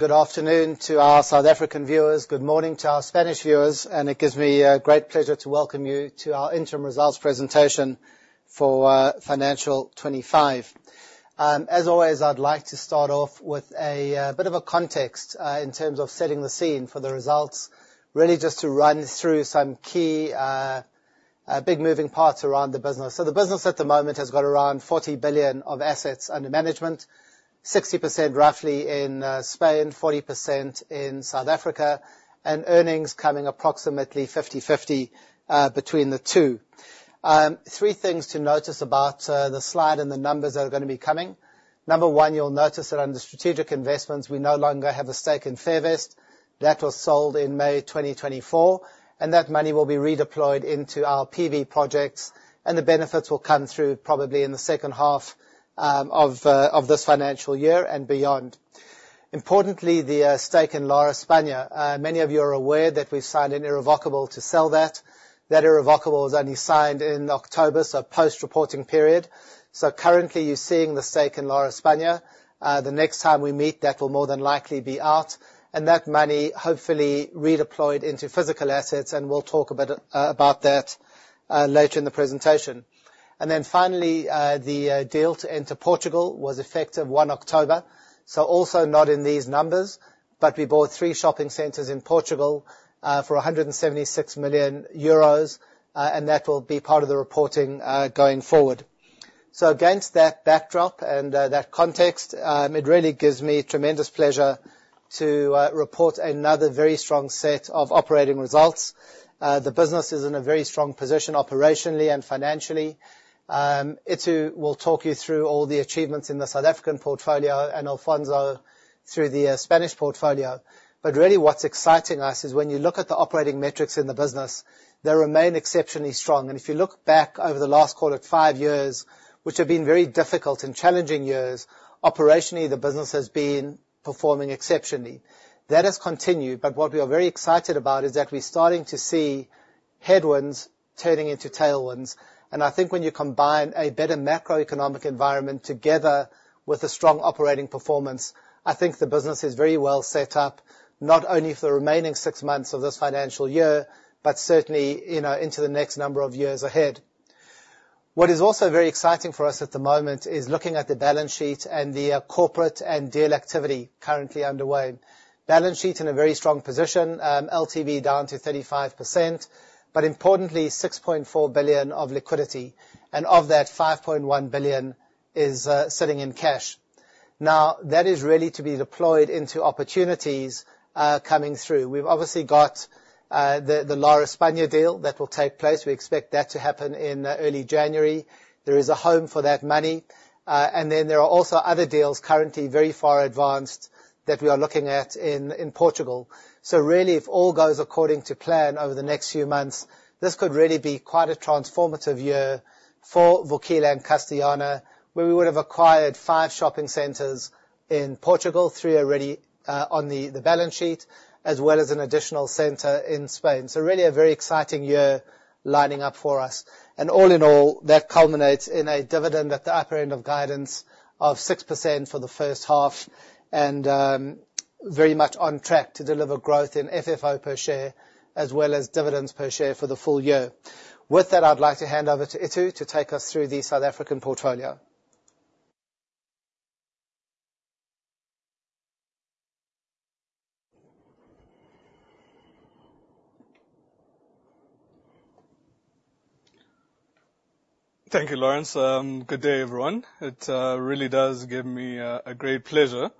Good afternoon to our South African viewers. Good morning to our Spanish viewers. It gives me great pleasure to welcome you to our interim results presentation for financial 25. As always, I'd like to start off with a bit of a context in terms of setting the scene for the results. Really just to run through some key big moving parts around the business. The business at the moment has got around 40 billion of assets under management. 60% roughly in Spain, 40% in South Africa, and earnings coming approximately 50/50 between the two. Three things to notice about the slide and the numbers that are gonna be coming. Number one, you'll notice that under strategic investments, we no longer have a stake in Fairvest. That was sold in May 2024. That money will be redeployed into our PV projects. The benefits will come through probably in the second half of this financial year and beyond. Importantly, the stake in Lar España, many of you are aware that we've signed an irrevocable to sell that. That irrevocable was only signed in October, post-reporting period. Currently you're seeing the stake in Lar España. The next time we meet, that will more than likely be out. That money hopefully redeployed into physical assets. We'll talk a bit about that later in the presentation. Finally, the deal to enter Portugal was effective 1 October. Also not in these numbers, but we bought three shopping centers in Portugal, for 176 million euros, and that will be part of the reporting going forward. Against that backdrop and that context, it really gives me tremendous pleasure to report another very strong set of operating results. The business is in a very strong position operationally and financially. Itu will talk you through all the achievements in the South African portfolio and Alfonso through the Spanish portfolio. Really what's exciting us is when you look at the operating metrics in the business, they remain exceptionally strong. If you look back over the last, call it, 5 years, which have been very difficult and challenging years, operationally the business has been performing exceptionally. That has continued, what we are very excited about is that we're starting to see headwinds turning into tailwinds. I think when you combine a better macroeconomic environment together with a strong operating performance, I think the business is very well set up, not only for the remaining 6 months of this financial year, but certainly, into the next number of years ahead. What is also very exciting for us at the moment is looking at the balance sheet and the corporate and deal activity currently underway. Balance sheet in a very strong position, LTV down to 35%, but importantly, 6.4 billion of liquidity. Of that, 5.1 billion is sitting in cash. Now, that is really to be deployed into opportunities coming through. We've obviously got the Lar España deal that will take place. We expect that to happen in early January. There is a home for that money. There are also other deals currently very far advanced that we are looking at in Portugal. If all goes according to plan over the next few months, this could really be quite a transformative year for Vukile and Castellana, where we would have acquired 5 shopping centers in Portugal, 3 already on the balance sheet, as well as an additional center in Spain. A very exciting year lining up for us. All in all, that culminates in a dividend at the upper end of guidance of 6% for the first half and very much on track to deliver growth in FFO per share as well as dividends per share for the full year. With that, I'd like to hand over to Itu to take us through the South African portfolio. Thank you, Laurence. Good day, everyone. It really does give me a great pleasure to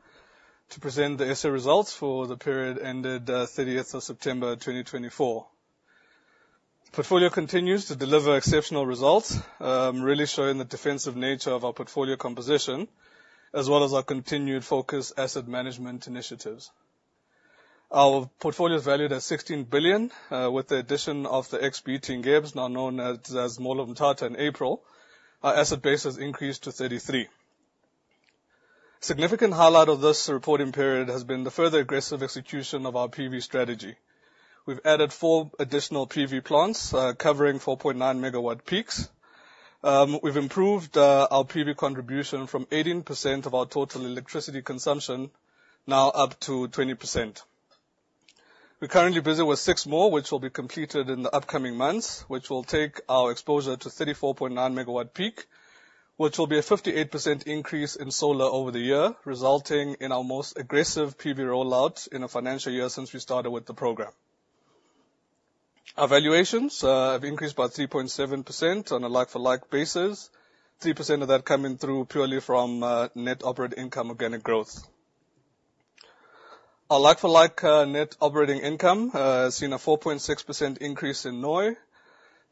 present the SA results for the period ended thirtieth of September 2024. Portfolio continues to deliver exceptional results, really showing the defensive nature of our portfolio composition, as well as our continued focus asset management initiatives. Our portfolio is valued at 16 billion, with the addition of the ex-Builders gaps, now known as Molomata in April. Our asset base has increased to 33 billion. Significant highlight of this reporting period has been the further aggressive execution of our PV strategy. We've added 4 additional PV plants, covering 4.9 megawatt peak. We've improved our PV contribution from 18% of our total electricity consumption now up to 20%. We're currently busy with 6 more, which will be completed in the upcoming months, which will take our exposure to 34.9 megawatt peak, which will be a 58% increase in solar over the year, resulting in our most aggressive PV rollout in a financial year since we started with the program. Our valuations have increased by 3.7% on a like-for-like basis, 3% of that coming through purely from net operating income organic growth. Our like-for-like net operating income has seen a 4.6% increase in NOI.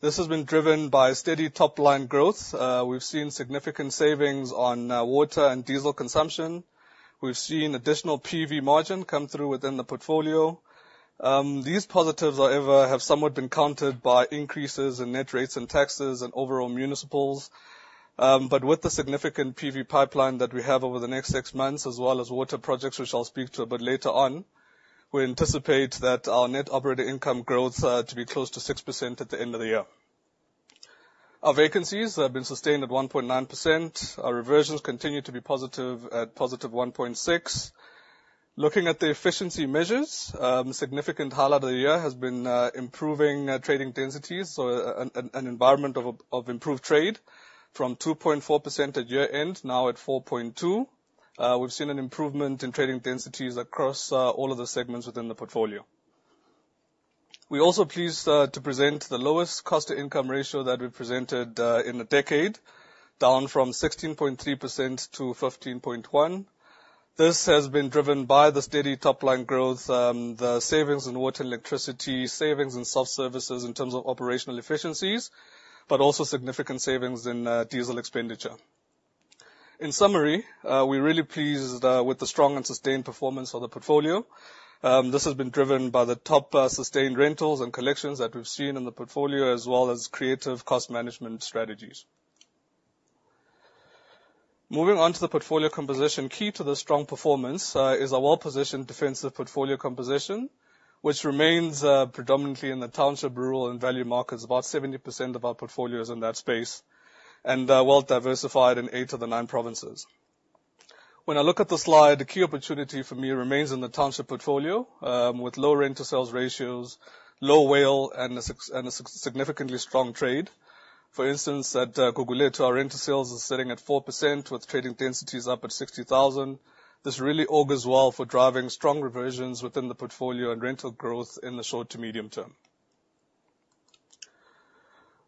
This has been driven by steady top line growth. We've seen significant savings on water and diesel consumption. We've seen additional PV margin come through within the portfolio. These positives, however, have somewhat been countered by increases in net rates and taxes and overall municipals. With the significant PV pipeline that we have over the next 6 months, as well as water projects, which I'll speak to a bit later on, we anticipate that our net operating income growth to be close to 6% at the end of the year. Our vacancies have been sustained at 1.9%. Our reversions continue to be positive at positive 1.6%. Looking at the efficiency measures, significant highlight of the year has been improving trading densities. An environment of improved trade from 2.4% at year-end, now at 4.2%. We've seen an improvement in trading densities across all of the segments within the portfolio. We're also pleased to present the lowest cost-to-income ratio that we presented in a decade, down from 16.3% to 15.1%. This has been driven by the steady top-line growth, the savings in water and electricity, savings in self-services in terms of operational efficiencies, but also significant savings in diesel expenditure. In summary, we're really pleased with the strong and sustained performance of the portfolio. This has been driven by the top, sustained rentals and collections that we've seen in the portfolio, as well as creative cost management strategies. Moving on to the portfolio composition. Key to the strong performance is our well-positioned defensive portfolio composition, which remains predominantly in the township, rural, and value markets. About 70% of our portfolio is in that space, and well diversified in eight of the nine provinces. When I look at the slide, the key opportunity for me remains in the township portfolio, with low rent-to-sales ratios, low WALE, and a significantly strong trade. For instance, at Gugulethu, our rent-to-sales is sitting at 4%, with trading densities up at 60,000. This really augurs well for driving strong reversions within the portfolio and rental growth in the short to medium term.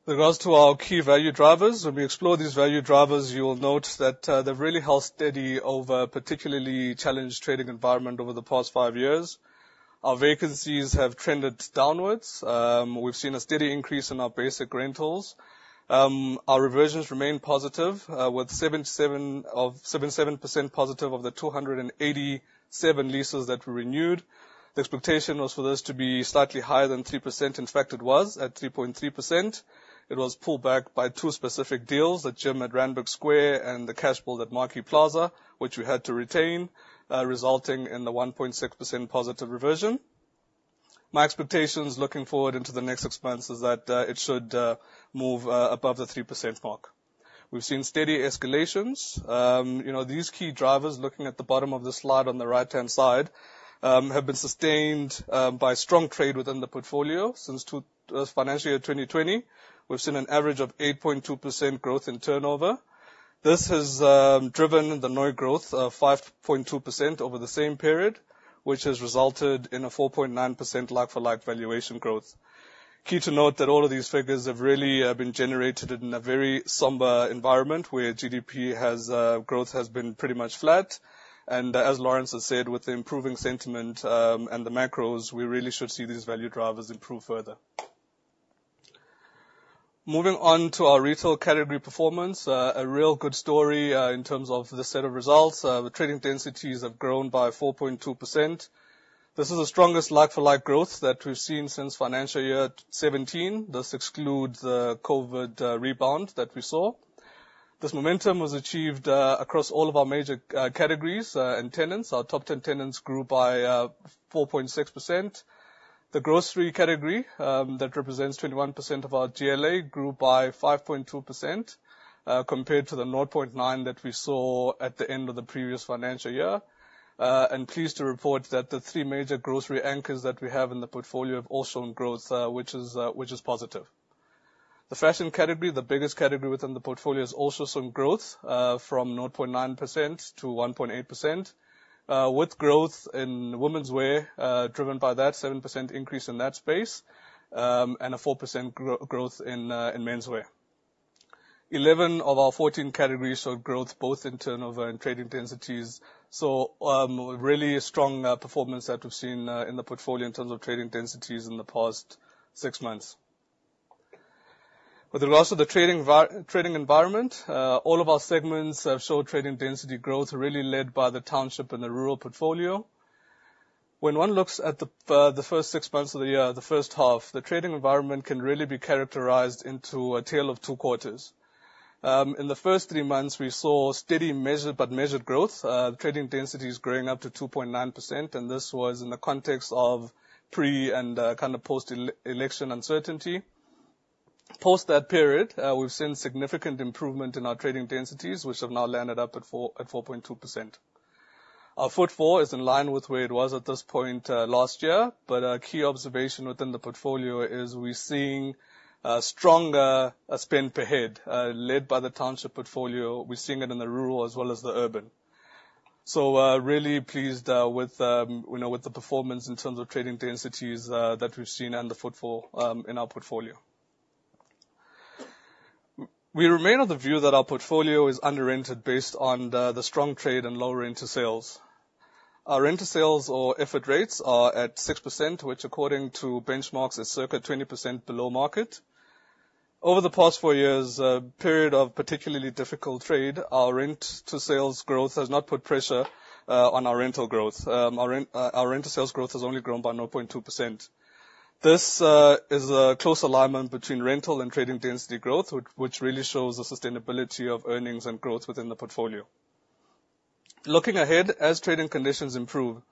With regards to our key value drivers, when we explore these value drivers, you will note that they've really held steady over a particularly challenged trading environment over the past five years. Our vacancies have trended downwards. We've seen a steady increase in our basic rentals. Our reversions remain positive, with 77% positive of the 287 leases that were renewed. The expectation was for this to be slightly higher than 3%. In fact, it was at 3.3%. It was pulled back by 2 specific deals, the gym at Randburg Square and the cash pool at Markie Plaza, which we had to retain, resulting in the 1.6% positive reversion. My expectations looking forward into the next expanse is that it should move above the 3% mark. We've seen steady escalations. These key drivers, looking at the bottom of the slide on the right-hand side, have been sustained by strong trade within the portfolio. Since financial year 2020, we've seen an average of 8.2% growth in turnover. This has driven the NOI growth of 5.2% over the same period, which has resulted in a 4.9% like-for-like valuation growth. Key to note that all of these figures have really been generated in a very somber environment where GDP has growth has been pretty much flat. As Laurence has said, with the improving sentiment, and the macros, we really should see these value drivers improve further. Moving on to our retail category performance. A real good story in terms of the set of results. The trading densities have grown by 4.2%. This is the strongest like-for-like growth that we've seen since financial year 2017. This excludes the COVID rebound that we saw. This momentum was achieved across all of our major categories and tenants. Our top 10 tenants grew by 4.6%. The grocery category, that represents 21% of our GLA, grew by 5.2%, compared to the 0.9% that we saw at the end of the previous financial year. Pleased to report that the 3 major grocery anchors that we have in the portfolio have also shown growth, which is positive. The fashion category, the biggest category within the portfolio, has also seen growth, from 0.9% to 1.8%. With growth in womenswear, driven by that 7% increase in that space, and a 4% growth in menswear. 11 of our 14 categories saw growth both in turnover and trading densities. Really strong performance that we've seen in the portfolio in terms of trading densities in the past 6 months. With regards to the trading environment, all of our segments have shown trading density growth really led by the township and the rural portfolio. When one looks at the first 6 months of the year, the first half, the trading environment can really be characterized into a tale of two quarters. In the first 3 months, we saw steady, measured growth. Trading density is growing up to 2.9%, this was in the context of pre and kind of post election uncertainty. Post that period, we've seen significant improvement in our trading densities, which have now landed up at 4.2%. Our footfall is in line with where it was at this point, last year. A key observation within the portfolio is we're seeing a stronger spend per head, led by the township portfolio. We're seeing it in the rural as well as the urban. Really pleased, with, with the performance in terms of trading densities, that we've seen and the footfall, in our portfolio. We remain of the view that our portfolio is under-rented based on the strong trade and low rent-to-sales. Our rent-to-sales or effort rates are at 6%, which according to benchmarks is circa 20% below market. Over the past 4 years, a period of particularly difficult trade, our rent-to-sales growth has not put pressure, on our rental growth. Our rent-to-sales growth has only grown by 0.2%. This is a close alignment between rental and trading density growth, which really shows the sustainability of earnings and growth within the portfolio. Looking ahead, as trading conditions improve,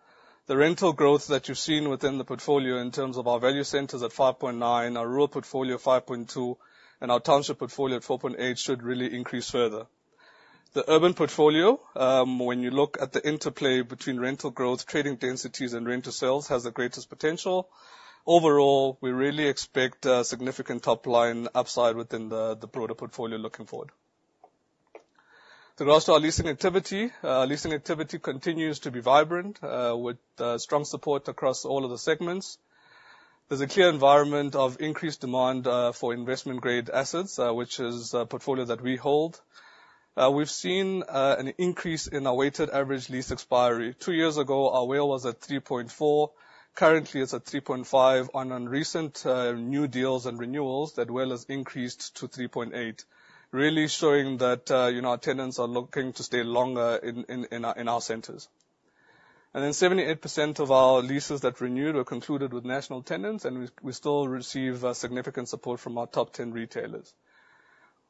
the rental growth that you've seen within the portfolio in terms of our value centers at 5.9%, our rural portfolio 5.2%, and our township portfolio at 4.8% should really increase further. The urban portfolio, when you look at the interplay between rental growth, trading densities, and rental sales, has the greatest potential. Overall, we really expect significant top-line upside within the broader portfolio looking forward. To roster our leasing activity. Leasing activity continues to be vibrant, with strong support across all of the segments. There's a clear environment of increased demand for investment-grade assets, which is a portfolio that we hold. We've seen an increase in our weighted average lease expiry. Two years ago, our WALE was at 3.4. Currently, it's at 3.5. On recent new deals and renewals, that WALE has increased to 3.8, really showing that, our tenants are looking to stay longer in our centers. 78% of our leases that renewed or concluded with national tenants, and we still receive significant support from our top 10 retailers.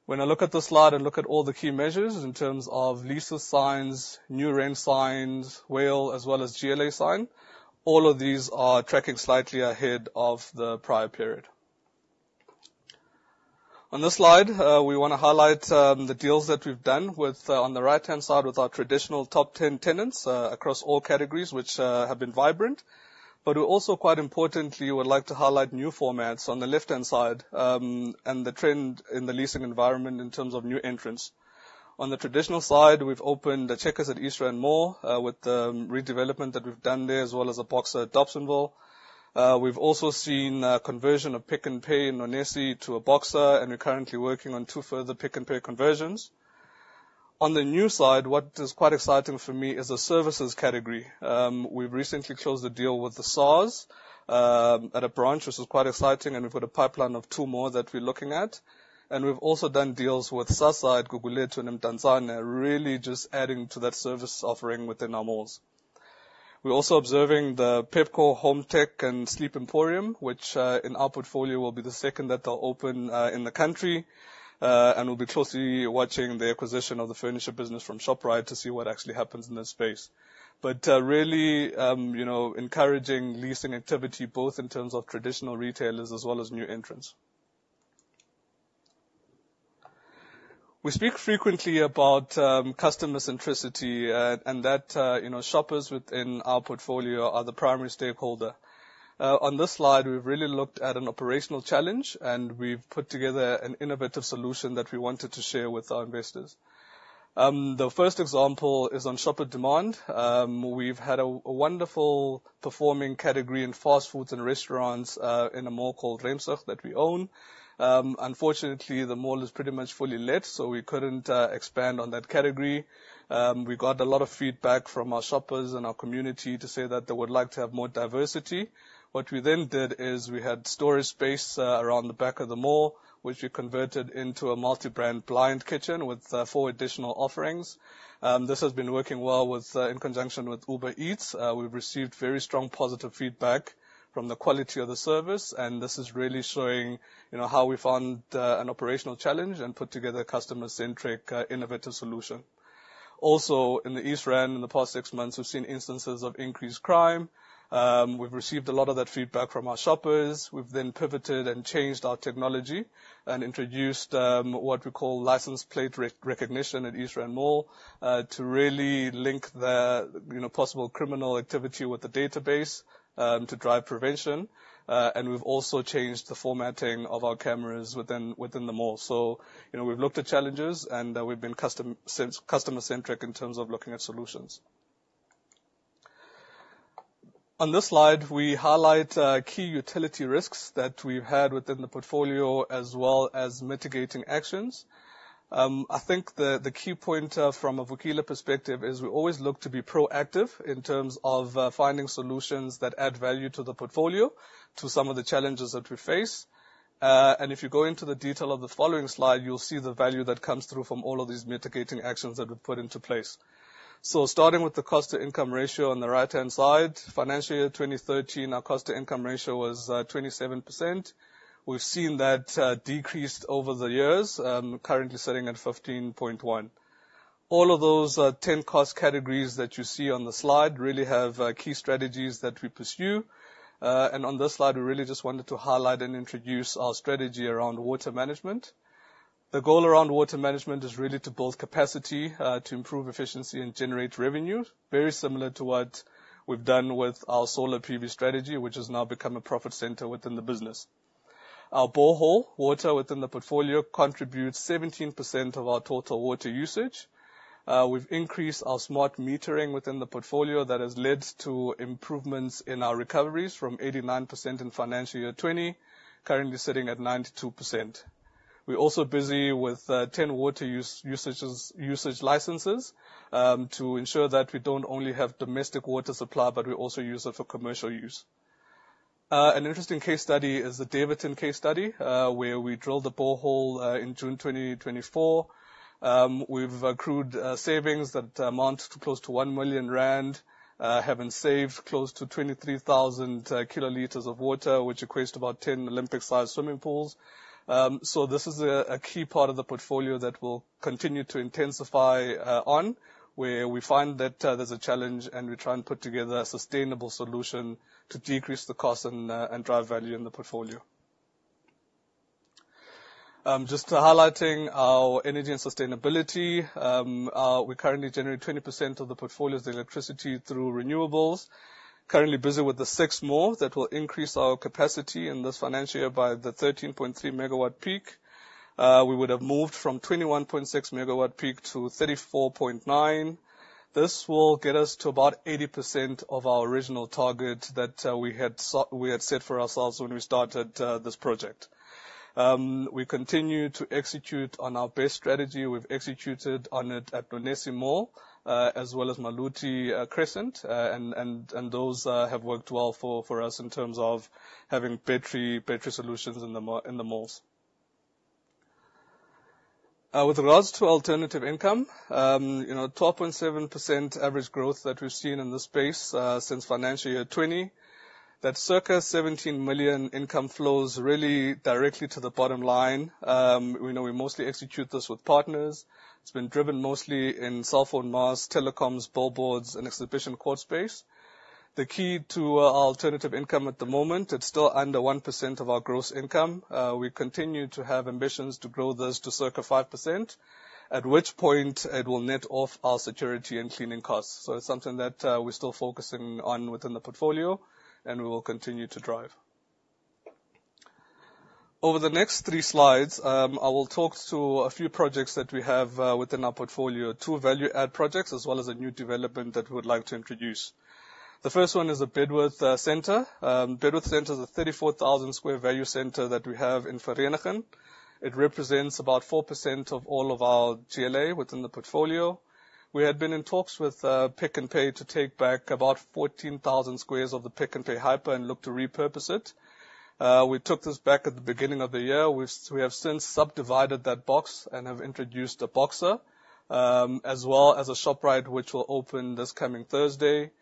When I look at the slide and look at all the key measures in terms of leases signed, new rent signed, WALE, as well as GLA signed, all of these are tracking slightly ahead of the prior period. On this slide, we wanna highlight the deals that we've done with on the right-hand side, with our traditional top 10 tenants across all categories which have been vibrant. We also, quite importantly, would like to highlight new formats on the left-hand side, and the trend in the leasing environment in terms of new entrants. On the traditional side, we've opened the Checkers at East Rand Mall with the redevelopment that we've done there, as well as a Boxer at Dobsonville. We've also seen a conversion of Pick n Pay in Onesi to a Boxer, and we're currently working on 2 further Pick n Pay conversions. On the new side, what is quite exciting for me is the services category. We've recently closed the deal with the SARS at a branch, which is quite exciting, and we've got a pipeline of 2 more that we're looking at. We've also done deals with SASSA at Gugulethu and Mthanzane, really just adding to that service offering within our malls. We're also observing the Pepkor HomeTech and Sleep Emporium, which in our portfolio, will be the second that they'll open in the country. We'll be closely watching the acquisition of the furniture business from Shoprite to see what actually happens in this space. really, encouraging leasing activity, both in terms of traditional retailers as well as new entrants. We speak frequently about customer centricity, and that, shoppers within our portfolio are the primary stakeholder. On this slide, we've really looked at an operational challenge, and we've put together an innovative solution that we wanted to share with our investors. The first example is on shopper demand. We've had a wonderful performing category in fast foods and restaurants in a mall called Riemsbucht that we own. Unfortunately, the mall is pretty much fully let, so we couldn't expand on that category. We got a lot of feedback from our shoppers and our community to say that they would like to have more diversity. What we then did is we had storage space around the back of the mall, which we converted into a multi-brand blind kitchen with 4 additional offerings. This has been working well with in conjunction with Uber Eats. We've received very strong positive feedback from the quality of the service, and this is really showing, how we found an operational challenge and put together a customer-centric, innovative solution. In the East Rand in the past six months, we've seen instances of increased crime. We've received a lot of that feedback from our shoppers. We've then pivoted and changed our technology and introduced what we call license plate recognition at East Rand Mall, to really link the, possible criminal activity with the database, to drive prevention. We've also changed the formatting of our cameras within the mall. We've looked at challenges, and we've been customer-centric in terms of looking at solutions. On this slide, we highlight key utility risks that we've had within the portfolio, as well as mitigating actions. The key point from a Vukile perspective is we always look to be proactive in terms of finding solutions that add value to the portfolio, to some of the challenges that we face. If you go into the detail of the following slide, you'll see the value that comes through from all of these mitigating actions that we've put into place. Starting with the cost-to-income ratio on the right-hand side, financial year 2013, our cost-to-income ratio was 27%. We've seen that decrease over the years, currently sitting at 15.1%. All of those 10 cost categories that you see on the slide really have key strategies that we pursue. On this slide, we really just wanted to highlight and introduce our strategy around water management. The goal around water management is really to build capacity to improve efficiency and generate revenue, very similar to what we've done with our solar PV strategy, which has now become a profit center within the business. Our borehole water within the portfolio contributes 17% of our total water usage. We've increased our smart metering within the portfolio. That has led to improvements in our recoveries from 89% in financial year 20, currently sitting at 92%. We're also busy with 10 water usage licenses to ensure that we don't only have domestic water supply, but we also use it for commercial use. An interesting case study is the Daveyton case study, where we drilled a borehole in June 2024. We've accrued savings that amount to close to 1 million rand. Having saved close to 23,000 kiloliters of water, which equates to about 10 Olympic-sized swimming pools. This is a key part of the portfolio that we'll continue to intensify on, where we find that there's a challenge, and we try and put together a sustainable solution to decrease the cost and drive value in the portfolio. Just highlighting our energy and sustainability. We currently generate 20% of the portfolio's electricity through renewables. Currently busy with the six malls that will increase our capacity in this financial year by the 13.3 megawatt peak. We would have moved from 21.6 megawatt peak to 34.9. This will get us to about 80% of our original target that we had set for ourselves when we started this project. We continue to execute on our base strategy. We've executed on it at Renesse Mall as well as Maluti Crescent. Those have worked well for us in terms of having battery solutions in the malls. With regards to alternative income, 12.7% average growth that we've seen in this space since financial year 2020. That circa 17 million income flows really directly to the bottom line. We know we mostly execute this with partners. It's been driven mostly in cell phone masts, telecoms, billboards and exhibition quad space. The key to our alternative income at the moment, it's still under 1% of our gross income. We continue to have ambitions to grow this to circa 5%, at which point it will net off our security and cleaning costs. It's something that we're still focusing on within the portfolio and we will continue to drive. Over the next three slides, I will talk to a few projects that we have within our portfolio. Two value add projects as well as a new development that we would like to introduce. The first one is the Bedworth Center. Bedworth Center is a 34,000 square value center that we have in Vereeniging. It represents about 4% of all of our GLA within the portfolio. We had been in talks with Pick n Pay to take back about 14,000 squares of the Pick n Pay hyper and look to repurpose it. We took this back at the beginning of the year. We have since subdivided that box and have introduced a Boxer, as well as a Shoprite, which will open this coming Thursday.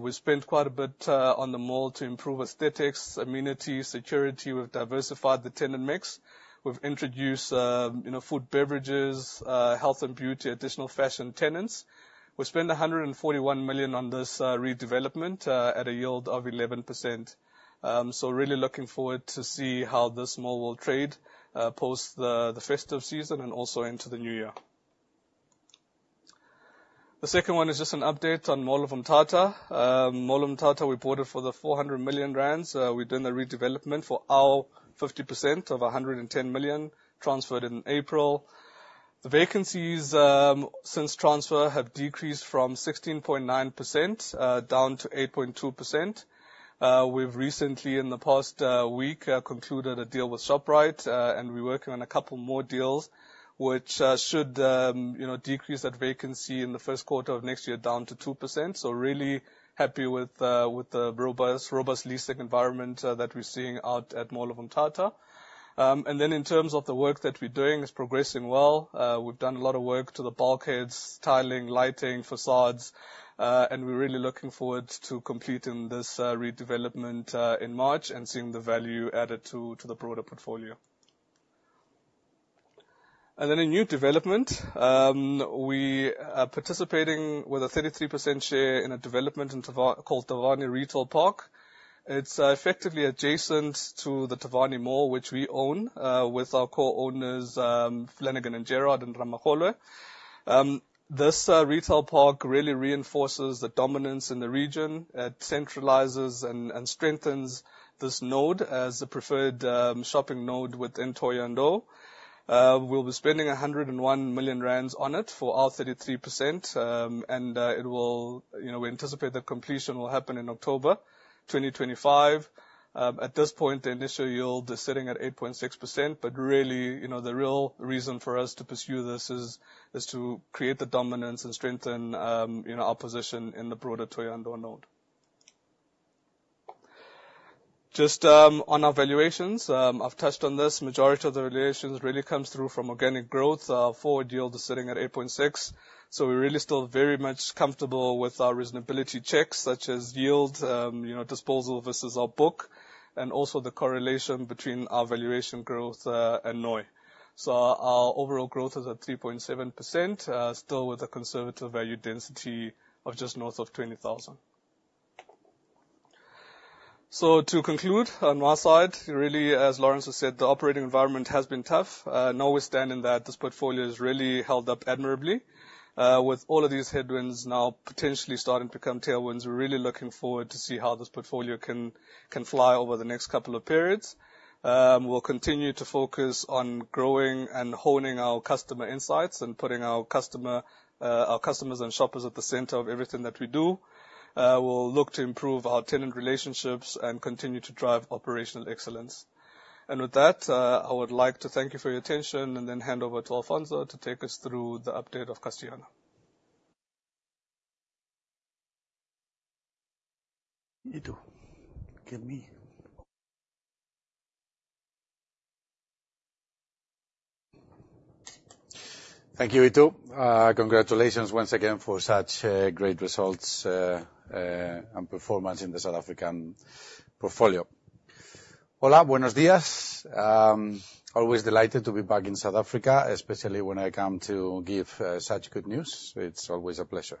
We spent quite a bit on the mall to improve aesthetics, amenities, security. We've diversified the tenant mix. We've introduced, food, beverages, health and beauty, additional fashion tenants. We spent 141 million on this redevelopment at a yield of 11%. Really looking forward to see how this mall will trade post the festive season and also into the new year. The second one is just an update on Mall of Umtata. Mall of Umtata, we bought it for the 400 million rand. We're doing a redevelopment for our 50% of 110 million transferred in April. The vacancies since transfer have decreased from 16.9% down to 8.2%. We've recently in the past week concluded a deal with Shoprite, and we're working on a couple more deals which should, decrease that vacancy in Q1 of next year down to 2%. Really happy with the robust leasing environment that we're seeing out at Mall of Umtata. In terms of the work that we're doing, it's progressing well. We've done a lot of work to the bulkheads, tiling, lighting, facades, and we're really looking forward to completing this redevelopment in March and seeing the value added to the broader portfolio. A new development, we are participating with a 33% share in a development called Thavhani Retail Park. It's effectively adjacent to the Thavhani Mall, which we own with our co-owners, Flanagan and Gerard and Ramakgolwe. This retail park really reinforces the dominance in the region. It centralizes and strengthens this node as the preferred shopping node within Thohoyandou. We'll be spending 101 million rand on it for our 33%. We anticipate that completion will happen in October 2025. At this point, the initial yield is sitting at 8.6%, really, the real reason for us to pursue this is to create the dominance and strengthen, our position in the broader Thohoyandou node. Just on our valuations, I've touched on this, majority of the valuations really comes through from organic growth. Our forward yield is sitting at 8.6%. We're really still very much comfortable with our reasonability checks such as yield, disposal versus our book, and also the correlation between our valuation growth and NOI. Our overall growth is at 3.7%, still with a conservative value density of just north of 20,000. To conclude on my side, really, as Laurence has said, the operating environment has been tough. Notwithstanding that, this portfolio has really held up admirably. With all of these headwinds now potentially starting to become tailwinds, we're really looking forward to see how this portfolio can fly over the next couple of periods. We'll continue to focus on growing and honing our customer insights and putting our customer, our customers and shoppers at the center of everything that we do. We'll look to improve our tenant relationships and continue to drive operational excellence. With that, I would like to thank you for your attention and then hand over to Alfonso to take us through the update of Castellana. Itu, give me. Thank you, Itu. Congratulations once again for such great results and performance in the South African portfolio. Hola, buenos dias. Always delighted to be back in South Africa, especially when I come to give such good news. It's always a pleasure.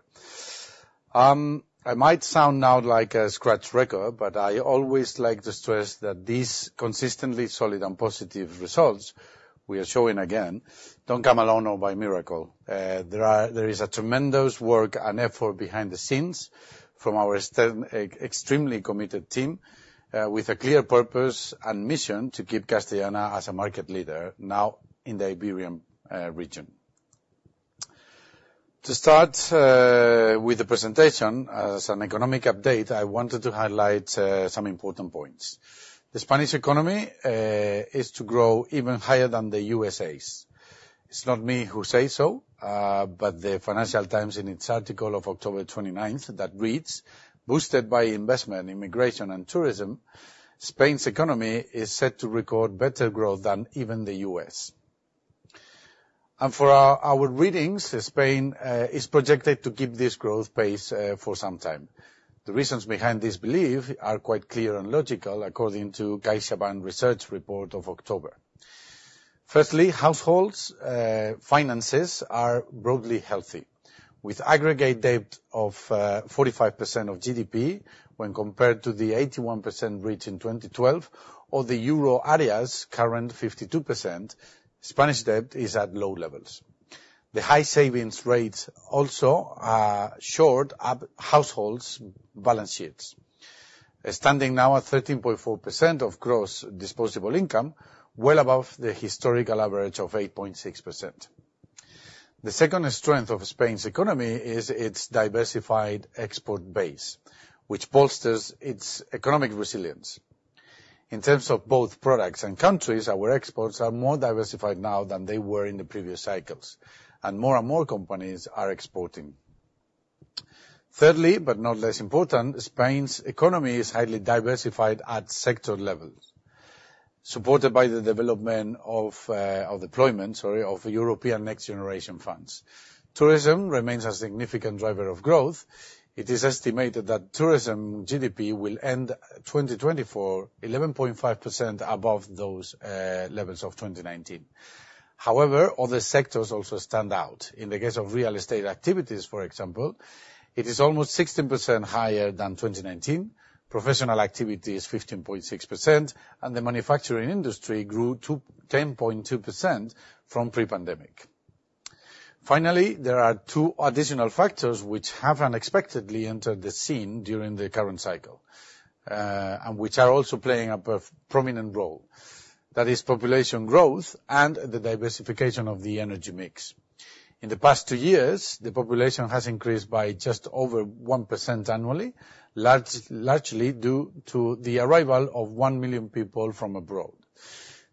I might sound now like a scratched record, but I always like to stress that these consistently solid and positive results we are showing again don't come alone or by miracle. There is a tremendous work and effort behind the scenes from our extremely committed team, with a clear purpose and mission to keep Castellana as a market leader now in the Iberian region. To start with the presentation, as an economic update, I wanted to highlight some important points. The Spanish economy is to grow even higher than the USA's. It's not me who say so, but the Financial Times in its article of October 29th that reads, "Boosted by investment, immigration, and tourism, Spain's economy is set to record better growth than even the U.S." For our readings, Spain is projected to keep this growth pace for some time. The reasons behind this belief are quite clear and logical, according to CaixaBank Research report of October. Firstly, households' finances are broadly healthy, with aggregate debt of 45% of GDP when compared to the 81% reached in 2012 or the Euro area's current 52%. Spanish debt is at low levels. The high savings rates also are shored up households' balance sheets. Standing now at 13.4% of gross disposable income, well above the historical average of 8.6%. The second strength of Spain's economy is its diversified export base, which bolsters its economic resilience. In terms of both products and countries, our exports are more diversified now than they were in the previous cycles, and more and more companies are exporting. Thirdly, but not less important, Spain's economy is highly diversified at sector level, supported by the deployment of European NextGenerationEU funds. Tourism remains a significant driver of growth. It is estimated that tourism GDP will end 2024 11.5% above those levels of 2019. Other sectors also stand out. In the case of real estate activities, for example, it is almost 16% higher than 2019. Professional activity is 15.6%, and the manufacturing industry grew to 10.2% from pre-pandemic. Finally, there are 2 additional factors which have unexpectedly entered the scene during the current cycle, and which are also playing a prominent role. That is population growth and the diversification of the energy mix. In the past 2 years, the population has increased by just over 1% annually, largely due to the arrival of 1 million people from abroad.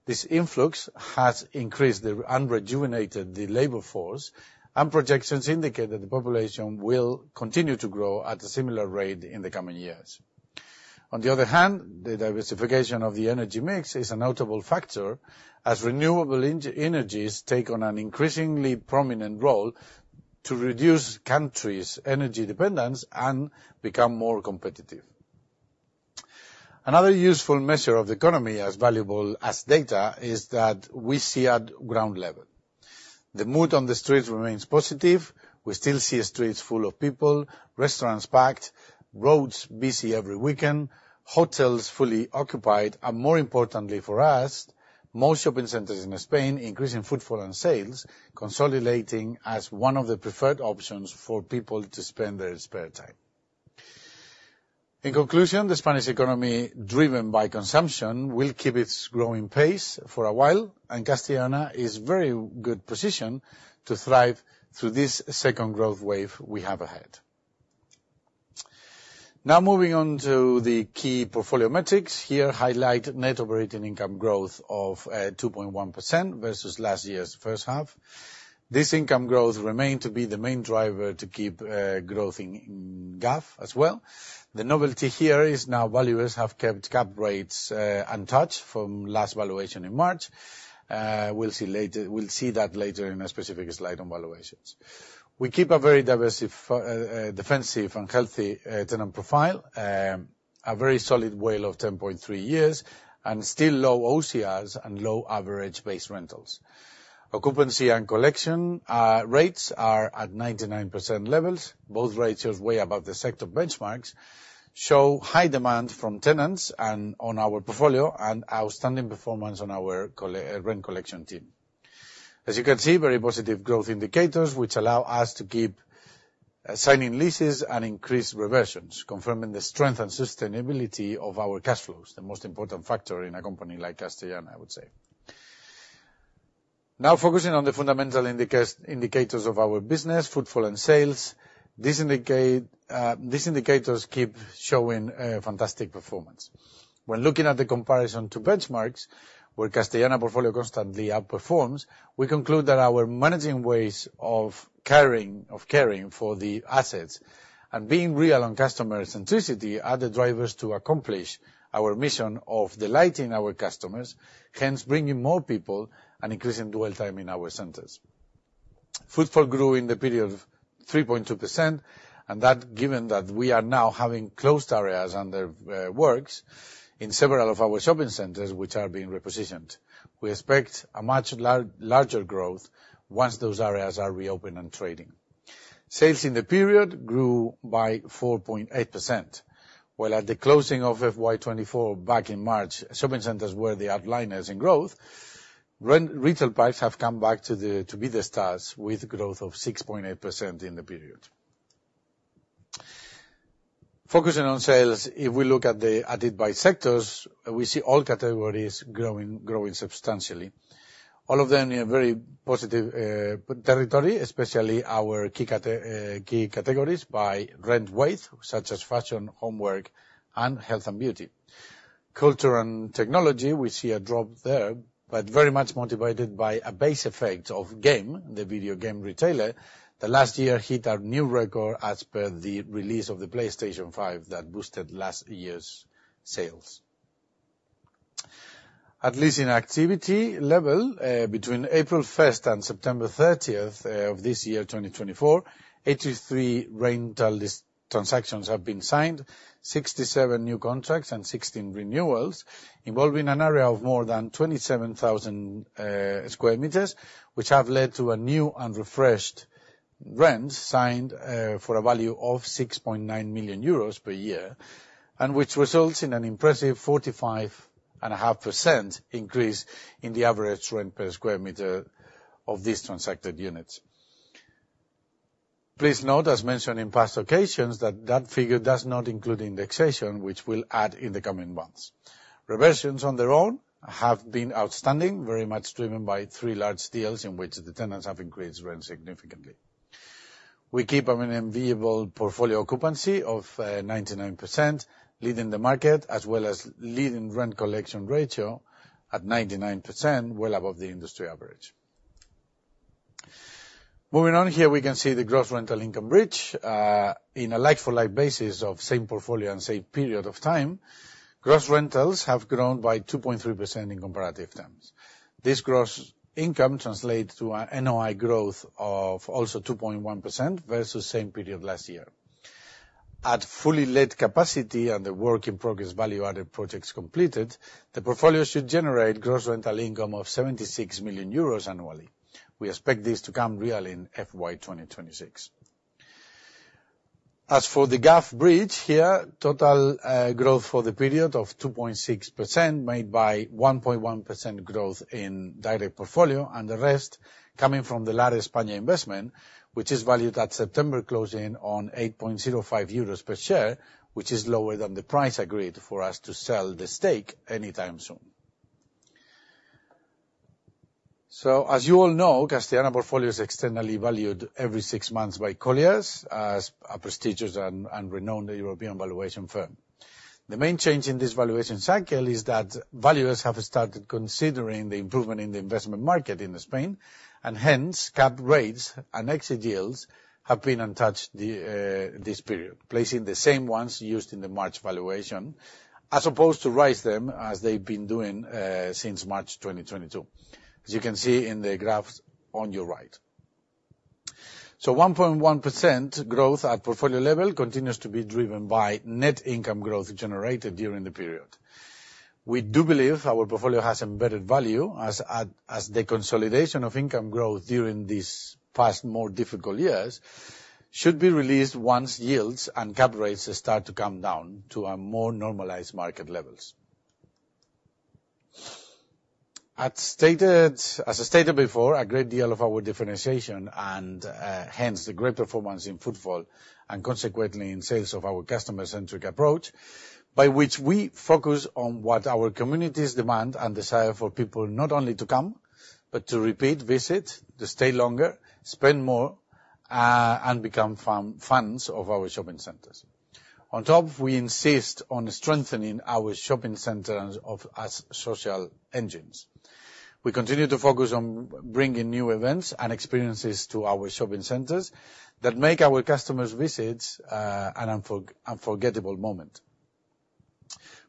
This influx has increased and rejuvenated the labor force, and projections indicate that the population will continue to grow at a similar rate in the coming years. On the other hand, the diversification of the energy mix is a notable factor as renewable energies take on an increasingly prominent role to reduce country's energy dependence and become more competitive. Another useful measure of the economy as valuable as data is that we see at ground level. The mood on the streets remains positive. We still see streets full of people, restaurants packed, roads busy every weekend, hotels fully occupied. More importantly for us, most shopping centers in Spain increasing footfall and sales, consolidating as one of the preferred options for people to spend their spare time. In conclusion, the Spanish economy, driven by consumption, will keep its growing pace for a while, and Castellana is very good position to thrive through this second growth wave we have ahead. Now moving on to the key portfolio metrics. Here, highlight net operating income growth of 2.1% versus last year's first half. This income growth remained to be the main driver to keep growth in FFO as well. The novelty here is now valuers have kept cap rates untouched from last valuation in March. We'll see that later in a specific slide on valuations. We keep a very defensive and healthy tenant profile, a very solid WALE of 10.3 years, still low OCRs and low average base rentals. Occupancy and collection rates are at 99% levels. Both ratios way above the sector benchmarks show high demand from tenants and on our portfolio and outstanding performance on our rent collection team. As you can see, very positive growth indicators, which allow us to keep signing leases and increase reversions, confirming the strength and sustainability of our cash flows, the most important factor in a company like Castellana, I would say. Now focusing on the fundamental indicators of our business, footfall and sales, these indicators keep showing a fantastic performance. When looking at the comparison to benchmarks, where Castellana portfolio constantly outperforms, we conclude that our managing ways of carrying for the assets and being real on customer centricity are the drivers to accomplish our mission of delighting our customers, hence bringing more people and increasing dwell time in our centers. Footfall grew in the period of 3.2%, given that we are now having closed areas under works in several of our shopping centers which are being repositioned. We expect a much larger growth once those areas are reopened and trading. Sales in the period grew by 4.8%, while at the closing of FY 2024 back in March, shopping centers were the outliers in growth, retail parks have come back to be the stars with growth of 6.8% in the period. Focusing on sales, if we look at it by sectors, we see all categories growing substantially. All of them in a very positive territory, especially our key categories by rent weight, such as fashion, homework, and health and beauty. Culture and technology, we see a drop there, very much motivated by a base effect of game, the video game retailer, that last year hit a new record as per the release of the PlayStation 5 that boosted last year's sales. At leasing activity level, between April 1st and September 30th, of this year, 2024, 83 rental lease transactions have been signed, 67 new contracts and 16 renewals involving an area of more than 27,000 square meters, which have led to a new and refreshed rents signed, for a value of 6.9 million euros per year, and which results in an impressive 45.5% increase in the average rent per square meter of these transacted units. Please note, as mentioned in past occasions, that that figure does not include indexation, which we'll add in the coming months. Reversions on their own have been outstanding, very much driven by three large deals in which the tenants have increased rent significantly. We keep our enviable portfolio occupancy of 99%, leading the market, as well as leading rent collection ratio at 99%, well above the industry average. Moving on here, we can see the gross rental income bridge in a like-for-like basis of same portfolio and same period of time. Gross rentals have grown by 2.3% in comparative terms. This gross income translates to a NOI growth of also 2.1% versus same period last year. At fully let capacity and the work in progress value-added projects completed, the portfolio should generate gross rental income of 76 million euros annually. We expect this to come real in FY 2026. As for the GAF bridge here, total growth for the period of 2.6% made by 1.1% growth in direct portfolio and the rest coming from the Lar España investment, which is valued at September closing on 8.05 euros per share, which is lower than the price agreed for us to sell the stake anytime soon. As you all know, Castellana portfolio is externally valued every 6 months by Colliers, as a prestigious and renowned European valuation firm. The main change in this valuation cycle is that valuers have started considering the improvement in the investment market in Spain, and hence, cap rates and exit yields have been untouched this period, placing the same ones used in the March valuation, as opposed to rise them as they've been doing since March 2022. As you can see in the graphs on your right. 1.1% growth at portfolio level continues to be driven by net income growth generated during the period. We do believe our portfolio has embedded value as the consolidation of income growth during these past more difficult years should be released once yields and cap rates start to come down to a more normalized market levels. As I stated before, a great deal of our differentiation and hence the great performance in footfall and consequently in sales of our customer-centric approach, by which we focus on what our communities demand and desire for people not only to come, but to repeat visit, to stay longer, spend more, and become fans of our shopping centers. On top, we insist on strengthening our shopping centers of as social engines. We continue to focus on bringing new events and experiences to our shopping centers that make our customers visits an unforgettable moment.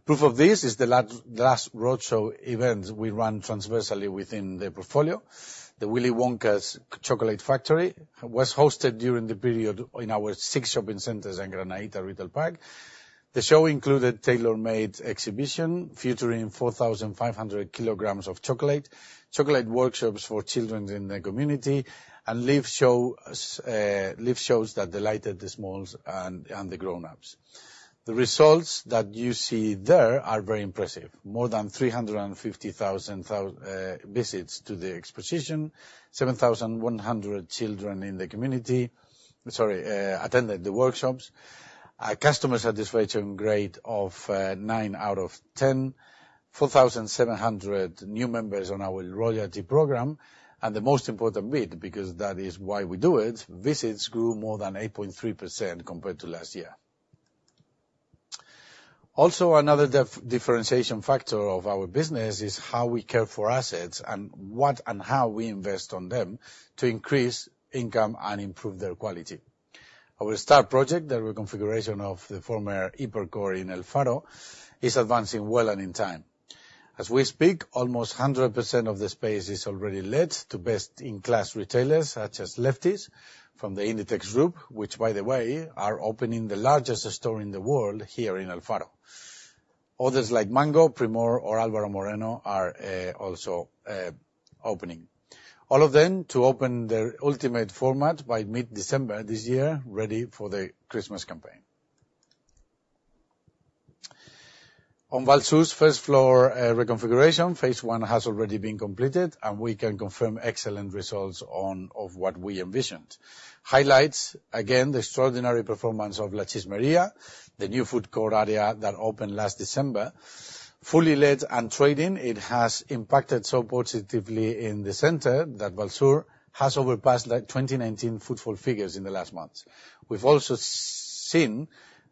Proof of this is the last roadshow event we ran transversely within the portfolio. The Willy Wonka's Chocolate Factory was hosted during the period in our six shopping centers and Granaita Retail Park. The show included tailor-made exhibition featuring 4,500 kilograms of chocolate workshops for children in the community, and live shows that delighted the smalls and the grown-ups. The results that you see there are very impressive. More than 350,000 visits to the exposition, 7,100 children in the community attended the workshops. A customer satisfaction rate of nine out of 10, 4,700 new members on our royalty program. The most important bit, because that is why we do it, visits grew more than 8.3% compared to last year. Another differentiation factor of our business is how we care for assets and what and how we invest on them to increase income and improve their quality. Our start project, the reconfiguration of the former Hipercor in El Faro, is advancing well and in time. As we speak, almost 100% of the space is already let to best-in-class retailers such as Lefties from the Inditex group, which by the way, are opening the largest store in the world here in El Faro. Others like Mango, Primor, or Álvaro Moreno are also opening. All of them to open their ultimate format by mid-December this year, ready for the Christmas campaign. On Vallsur's first floor, reconfiguration, phase one has already been completed, and we can confirm excellent results on, of what we envisioned. Highlights, again, the extraordinary performance of La Chismería, the new food court area that opened last December. Fully let and trading, it has impacted so positively in the center that Vallsur has overpassed the 2019 footfall figures in the last months. We've also seen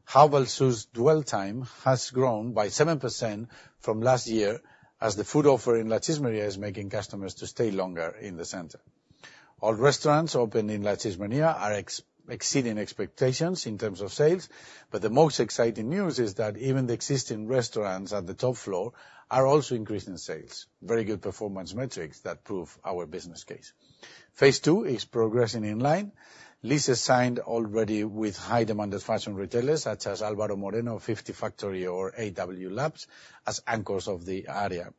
how Vallsur's dwell time has grown by 7% from last year as the food offer in La Chismería is making customers to stay longer in the center. All restaurants open in La Chismería are exceeding expectations in terms of sales, but the most exciting news is that even the existing restaurants at the top floor are also increasing sales. Very good performance metrics that prove our business case. Phase two is progressing in line. Leases signed already with high-demanded fashion retailers such as Álvaro Moreno, Fifty Factory, or AW LAB as anchors of the area.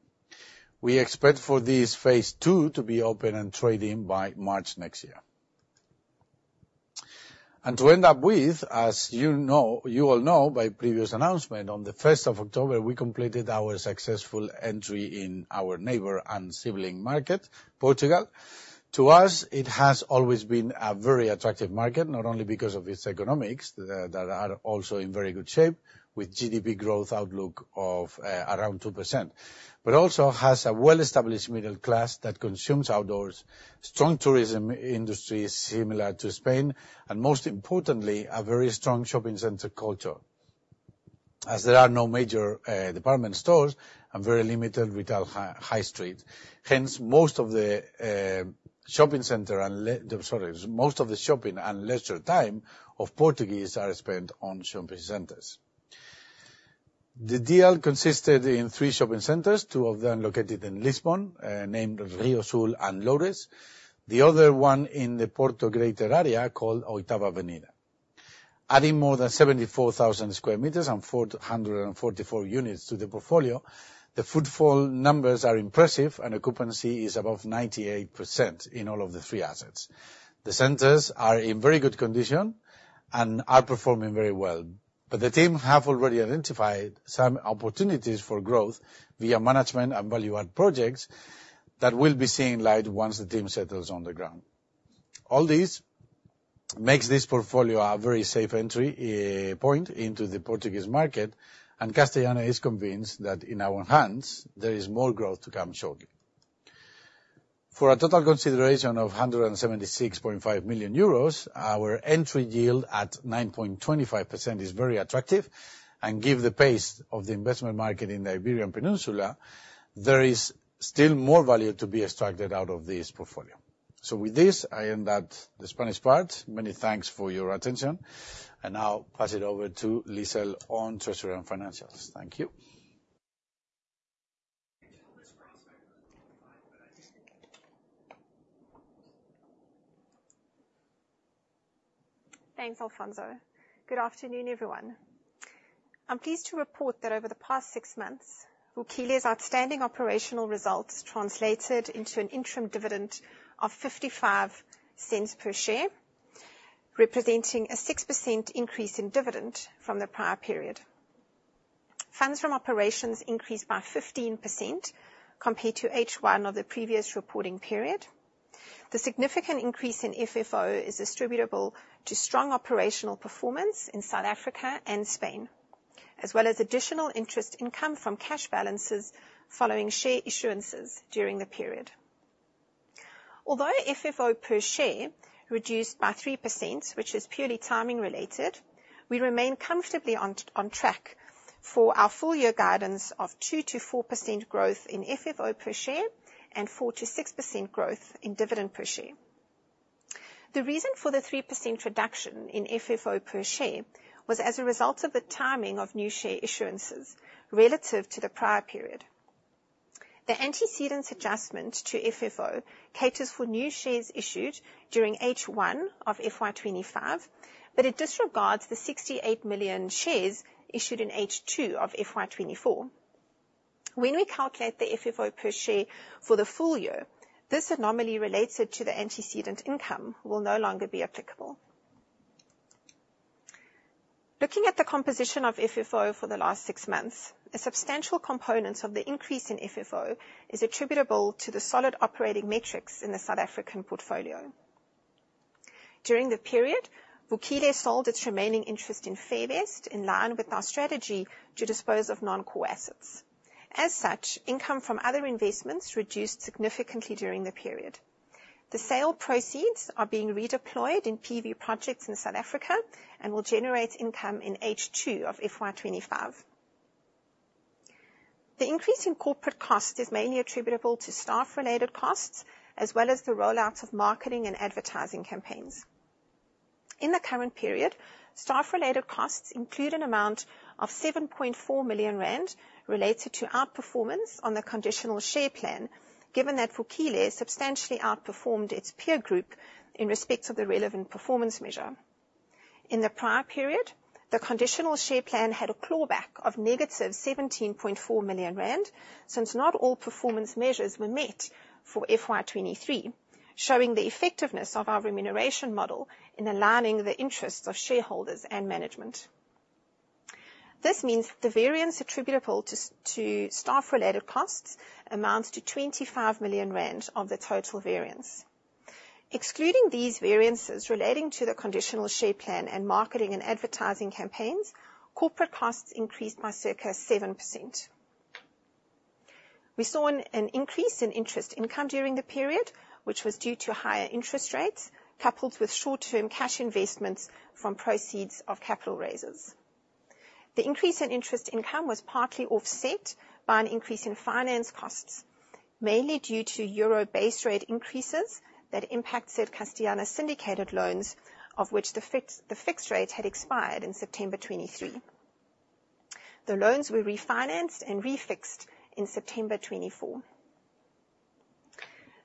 We expect for this phase two to be open and trading by March next year. To end up with, as you all know by previous announcement, on the first of October, we completed our successful entry in our neighbor and sibling market, Portugal. To us, it has always been a very attractive market, not only because of its economics, that are also in very good shape with GDP growth outlook of around 2%, but also has a well-established middle class that consumes outdoors, strong tourism industry similar to Spain, and most importantly, a very strong shopping center culture. As there are no major department stores and very limited retail high street, hence most of the shopping center and Sorry. Most of the shopping and leisure time of Portuguese are spent on shopping centers. The deal consisted in three shopping centers, two of them located in Lisbon, named Rio Sul and Loures. The other one in the Porto greater area called 8ª Avenida. Adding more than 74,000 square meters and 444 units to the portfolio, the footfall numbers are impressive and occupancy is above 98% in all of the three assets. The centers are in very good condition and are performing very well. The team have already identified some opportunities for growth via management and value-add projects that will be seeing light once the team settles on the ground. All this makes this portfolio a very safe entry point into the Portuguese market and Castellana is convinced that in our hands there is more growth to come shortly. For a total consideration of 176.5 million euros, our entry yield at 9.25% is very attractive and give the pace of the investment market in the Iberian Peninsula, there is still more value to be extracted out of this portfolio. With this, I end that, the Spanish part. Many thanks for your attention, now pass it over to Lizelle on treasury and financials. Thank you. Thanks, Alfonso. Good afternoon, everyone. I'm pleased to report that over the past 6 months, Vukile's outstanding operational results translated into an interim dividend of 0.55 per share, representing a 6% increase in dividend from the prior period. Funds from operations increased by 15% compared to H1 of the previous reporting period. The significant increase in FFO is distributable to strong operational performance in South Africa and Spain, as well as additional interest income from cash balances following share issuances during the period. Although FFO per share reduced by 3%, which is purely timing related, we remain comfortably on track for our full year guidance of 2%-4% growth in FFO per share and 4%-6% growth in dividend per share. The reason for the 3% reduction in FFO per share was as a result of the timing of new share issuances relative to the prior period. The antecedent adjustment to FFO caters for new shares issued during H1 of FY25, but it disregards the 68 million shares issued in H2 of FY24. When we calculate the FFO per share for the full year, this anomaly related to the antecedent income will no longer be applicable. Looking at the composition of FFO for the last 6 months, a substantial component of the increase in FFO is attributable to the solid operating metrics in the South African portfolio. During the period, Vukile sold its remaining interest in Fairvest in line with our strategy to dispose of non-core assets. Income from other investments reduced significantly during the period. The sale proceeds are being redeployed in PV projects in South Africa and will generate income in H2 of FY25. The increase in corporate costs is mainly attributable to staff-related costs, as well as the rollouts of marketing and advertising campaigns. In the current period, staff-related costs include an amount of 7.4 million rand related to outperformance on the conditional share plan, given that Vukile substantially outperformed its peer group in respect of the relevant performance measure. In the prior period, the conditional share plan had a clawback of negative 17.4 million rand, since not all performance measures were met for FY23. Showing the effectiveness of our remuneration model in aligning the interests of shareholders and management. This means the variance attributable to staff-related costs amounts to 25 million rand of the total variance. Excluding these variances relating to the conditional share plan and marketing and advertising campaigns, corporate costs increased by circa 7%. We saw an increase in interest income during the period, which was due to higher interest rates, coupled with short-term cash investments from proceeds of capital raises. The increase in interest income was partly offset by an increase in finance costs, mainly due to EUR base rate increases that impacted Castellana's syndicated loans, of which the fixed rate had expired in September 2023. The loans were refinanced and refixed in September 2024.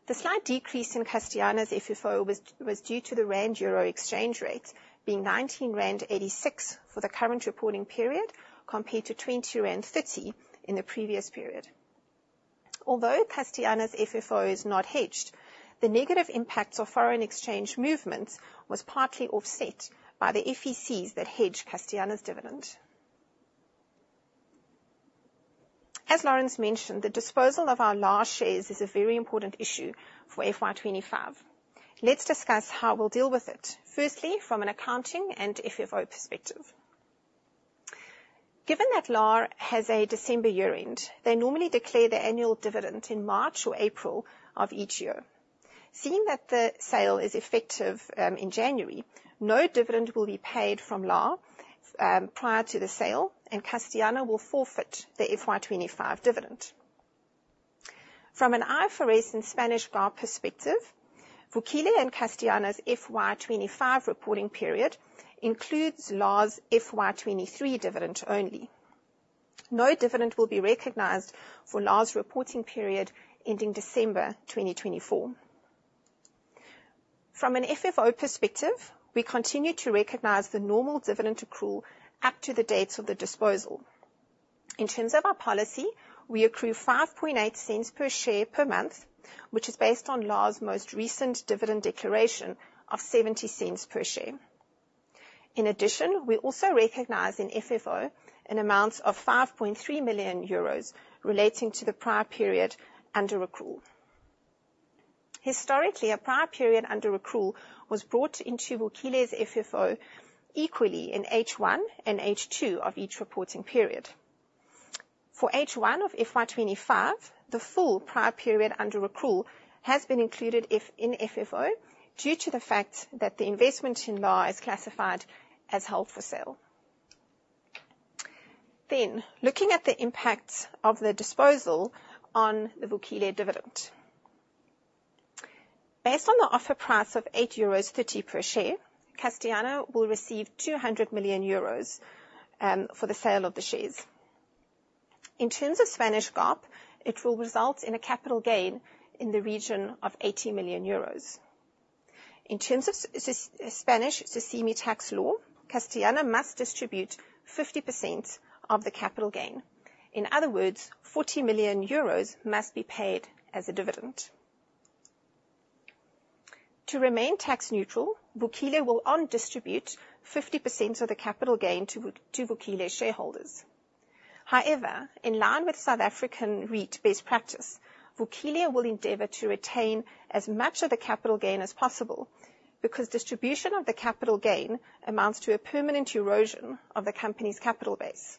The slight decrease in Castellana's FFO was due to the rand-EUR exchange rate, being 19.86 rand for the current reporting period, compared to 20.30 rand in the previous period. Although Castellana's FFO is not hedged, the negative impacts of foreign exchange movements was partly offset by the FECs that hedge Castellana's dividend. As Laurence mentioned, the disposal of our LAR shares is a very important issue for FY 2025. Let's discuss how we'll deal with it. Firstly, from an accounting and FFO perspective. Given that LAR has a December year-end, they normally declare their annual dividend in March or April of each year. Seeing that the sale is effective in January, no dividend will be paid from LAR prior to the sale, and Castellana will forfeit the FY 2025 dividend. From an IFRS and Spanish GAAP perspective, Vukile and Castellana's FY 2025 reporting period includes LAR's FY 2023 dividend only. No dividend will be recognized for LAR's reporting period ending December 2024. From an FFO perspective, we continue to recognize the normal dividend accrual up to the dates of the disposal. In terms of our policy, we accrue 0.058 per share per month, which is based on LAR's most recent dividend declaration of 0.70 per share. In addition, we also recognize in FFO an amount of 5.3 million euros relating to the prior period under accrual. Historically, a prior period under accrual was brought into Vukile's FFO equally in H1 and H2 of each reporting period. For H1 of FY 2025, the full prior period under accrual has been included if in FFO due to the fact that the investment in LAR is classified as held for sale. Looking at the impact of the disposal on the Vukile dividend. Based on the offer price of 8.30 euros per share, Castellana will receive 200 million euros for the sale of the shares. In terms of Spanish GAAP, it will result in a capital gain in the region of 80 million euros. In terms of Spanish SOCIMI tax law, Castellana must distribute 50% of the capital gain. In other words, 40 million euros must be paid as a dividend. To remain tax neutral, Vukile will on distribute 50% of the capital gain to Vukile shareholders. However, in line with South African REIT best practice, Vukile will endeavor to retain as much of the capital gain as possible, because distribution of the capital gain amounts to a permanent erosion of the company's capital base.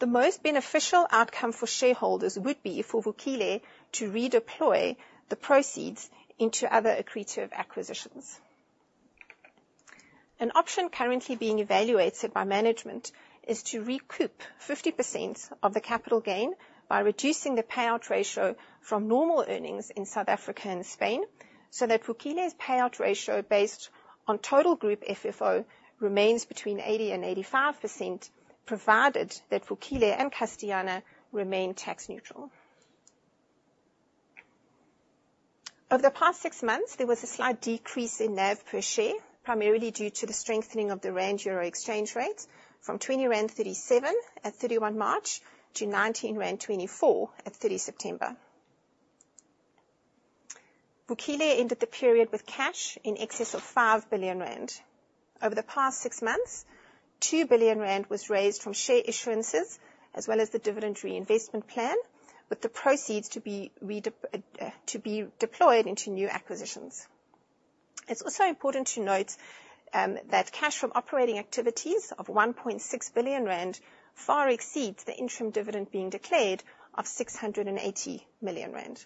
The most beneficial outcome for shareholders would be for Vukile to redeploy the proceeds into other accretive acquisitions. An option currently being evaluated by management is to recoup 50% of the capital gain by reducing the payout ratio from normal earnings in South Africa and Spain, so that Vukile's payout ratio based on total group FFO remains between 80% and 85%, provided that Vukile and Castellana remain tax neutral. Over the past six months, there was a slight decrease in NAV per share, primarily due to the strengthening of the rand-euro exchange rate from 20.37 rand at 31 March to 19.24 rand at 30 September. Vukile ended the period with cash in excess of 5 billion rand. Over the past six months, 2 billion rand was raised from share issuances as well as the dividend reinvestment plan, with the proceeds to be deployed into new acquisitions. It's also important to note that cash from operating activities of 1.6 billion rand far exceeds the interim dividend being declared of 680 million rand.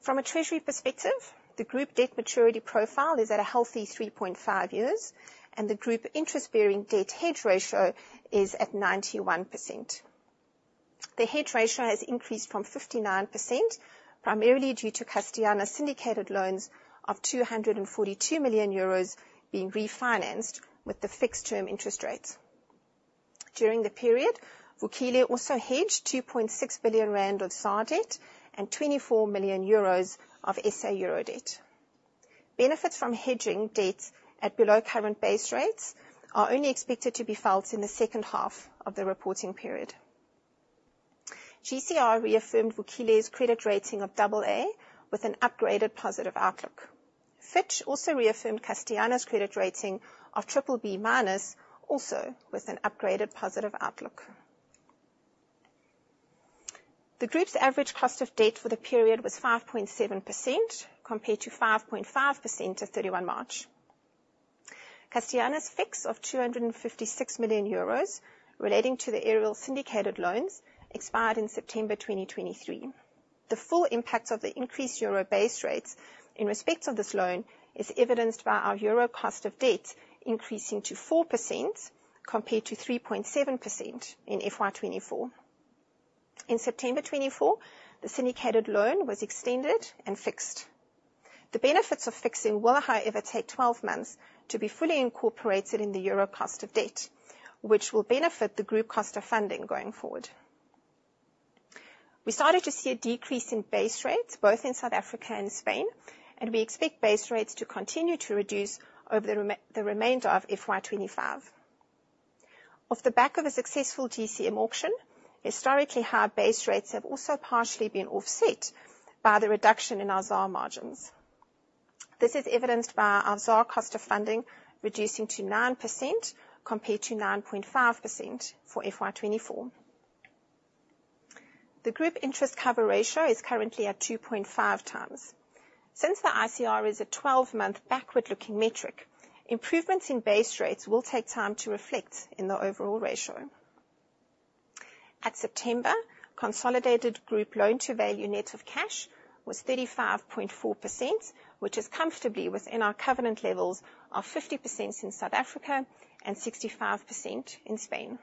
From a treasury perspective, the group debt maturity profile is at a healthy 3.5 years, and the group interest-bearing debt hedge ratio is at 91%. The hedge ratio has increased from 59%, primarily due to Castellana's syndicated loans of 242 million euros being refinanced with the fixed-term interest rates. During the period, Vukile also hedged 2.6 billion rand of ZAR debt and 24 million euros of SA euro debt. Benefits from hedging debt at below current base rates are only expected to be felt in the second half of the reporting period. GCR reaffirmed Vukile's credit rating of AA, with an upgraded positive outlook. Fitch also reaffirmed Castellana's credit rating of BBB-, also with an upgraded positive outlook. The group's average cost of debt for the period was 5.7% compared to 5.5% at 31 March. Castellana's fix of 256 million euros relating to the Aareal syndicated loan expired in September 2023. The full impact of the increased euro base rates in respect of this loan is evidenced by our euro cost of debt increasing to 4% compared to 3.7% in FY 2024. In September 2024, the syndicated loan was extended and fixed. The benefits of fixing will, however, take 12 months to be fully incorporated in the euro cost of debt, which will benefit the group cost of funding going forward. We started to see a decrease in base rates, both in South Africa and Spain. We expect base rates to continue to reduce over the remainder of FY 2025. Off the back of a successful GCM auction, historically, high base rates have also partially been offset by the reduction in our ZAR margins. This is evidenced by our ZAR cost of funding reducing to 9% compared to 9.5% for FY 2024. The group interest cover ratio is currently at 2.5 times. Since the ICR is a 12-month backward-looking metric, improvements in base rates will take time to reflect in the overall ratio. At September, consolidated group loan-to-value net of cash was 35.4%, which is comfortably within our covenant levels of 50% in South Africa and 65% in Spain.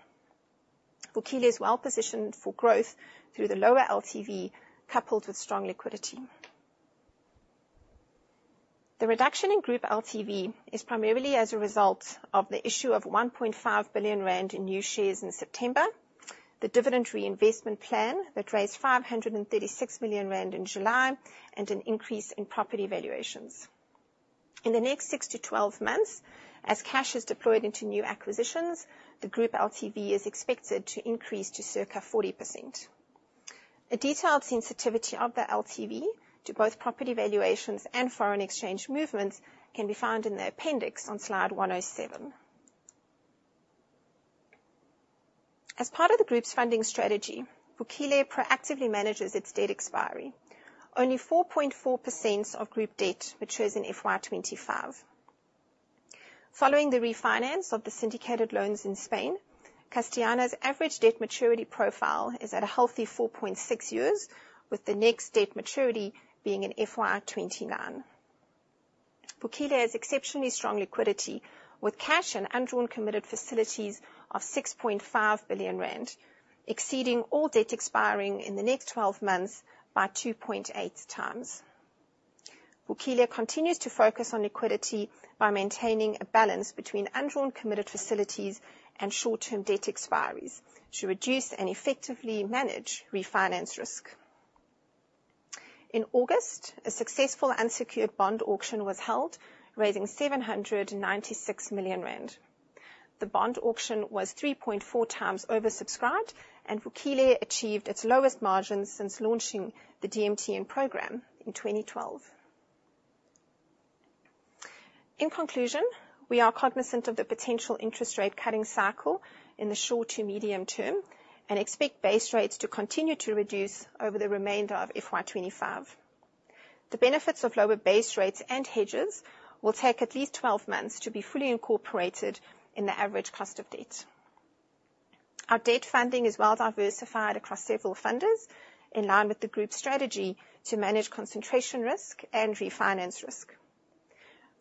Vukile is well-positioned for growth through the lower LTV coupled with strong liquidity. The reduction in group LTV is primarily as a result of the issue of 1.5 billion rand in new shares in September, the dividend reinvestment plan that raised 536 million rand in July, and an increase in property valuations. In the next 6-12 months, as cash is deployed into new acquisitions, the group LTV is expected to increase to circa 40%. A detailed sensitivity of the LTV to both property valuations and foreign exchange movements can be found in the appendix on slide 107. As part of the group's funding strategy, Vukile proactively manages its debt expiry. Only 4.4% of group debt matures in FY25. Following the refinance of the syndicated loans in Spain, Castellana's average debt maturity profile is at a healthy 4.6 years, with the next debt maturity being in FY 2029. Vukile has exceptionally strong liquidity, with cash and undrawn committed facilities of 6.5 billion rand, exceeding all debt expiring in the next 12 months by 2.8 times. Vukile continues to focus on liquidity by maintaining a balance between undrawn committed facilities and short-term debt expiries to reduce and effectively manage refinance risk. In August, a successful unsecured bond auction was held, raising 796 million rand. The bond auction was 3.4 times oversubscribed, and Vukile achieved its lowest margins since launching the DMTN program in 2012. In conclusion, we are cognizant of the potential interest rate cutting cycle in the short to medium term and expect base rates to continue to reduce over the remainder of FY 2025. The benefits of lower base rates and hedges will take at least 12 months to be fully incorporated in the average cost of debt. Our debt funding is well diversified across several funders, in line with the group's strategy to manage concentration risk and refinance risk.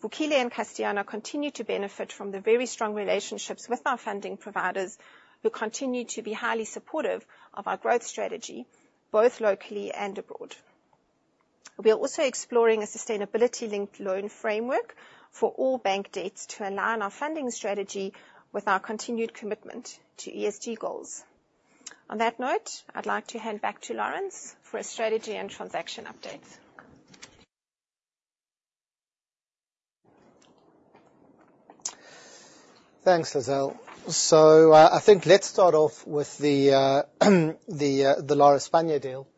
Vukile and Castellana continue to benefit from the very strong relationships with our funding providers, who continue to be highly supportive of our growth strategy, both locally and abroad. We are also exploring a sustainability-linked loan framework for all bank debts to align our funding strategy with our continued commitment to ESG goals. On that note, I'd like to hand back to Laurence for a strategy and transaction update. Thanks, Lizelle. I think let's start off with the Lar España deal.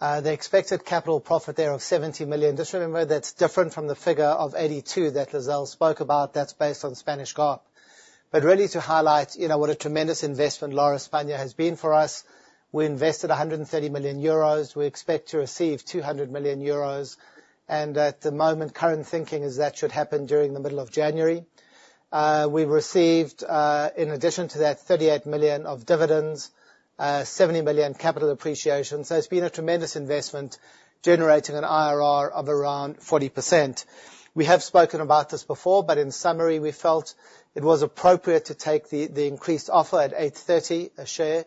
The expected capital profit there of 70 million. Just remember, that's different from the figure of 82 that Lizelle spoke about. That's based on Spanish GAAP. Really to highlight, what a tremendous investment Lar España has been for us. We invested 130 million euros. We expect to receive 200 million euros. At the moment, current thinking is that should happen during the middle of January. We received, in addition to that, 38 million of dividends, 70 million capital appreciation. It's been a tremendous investment, generating an IRR of around 40%. We have spoken about this before, but in summary, we felt it was appropriate to take the increased offer at 8.30 a share,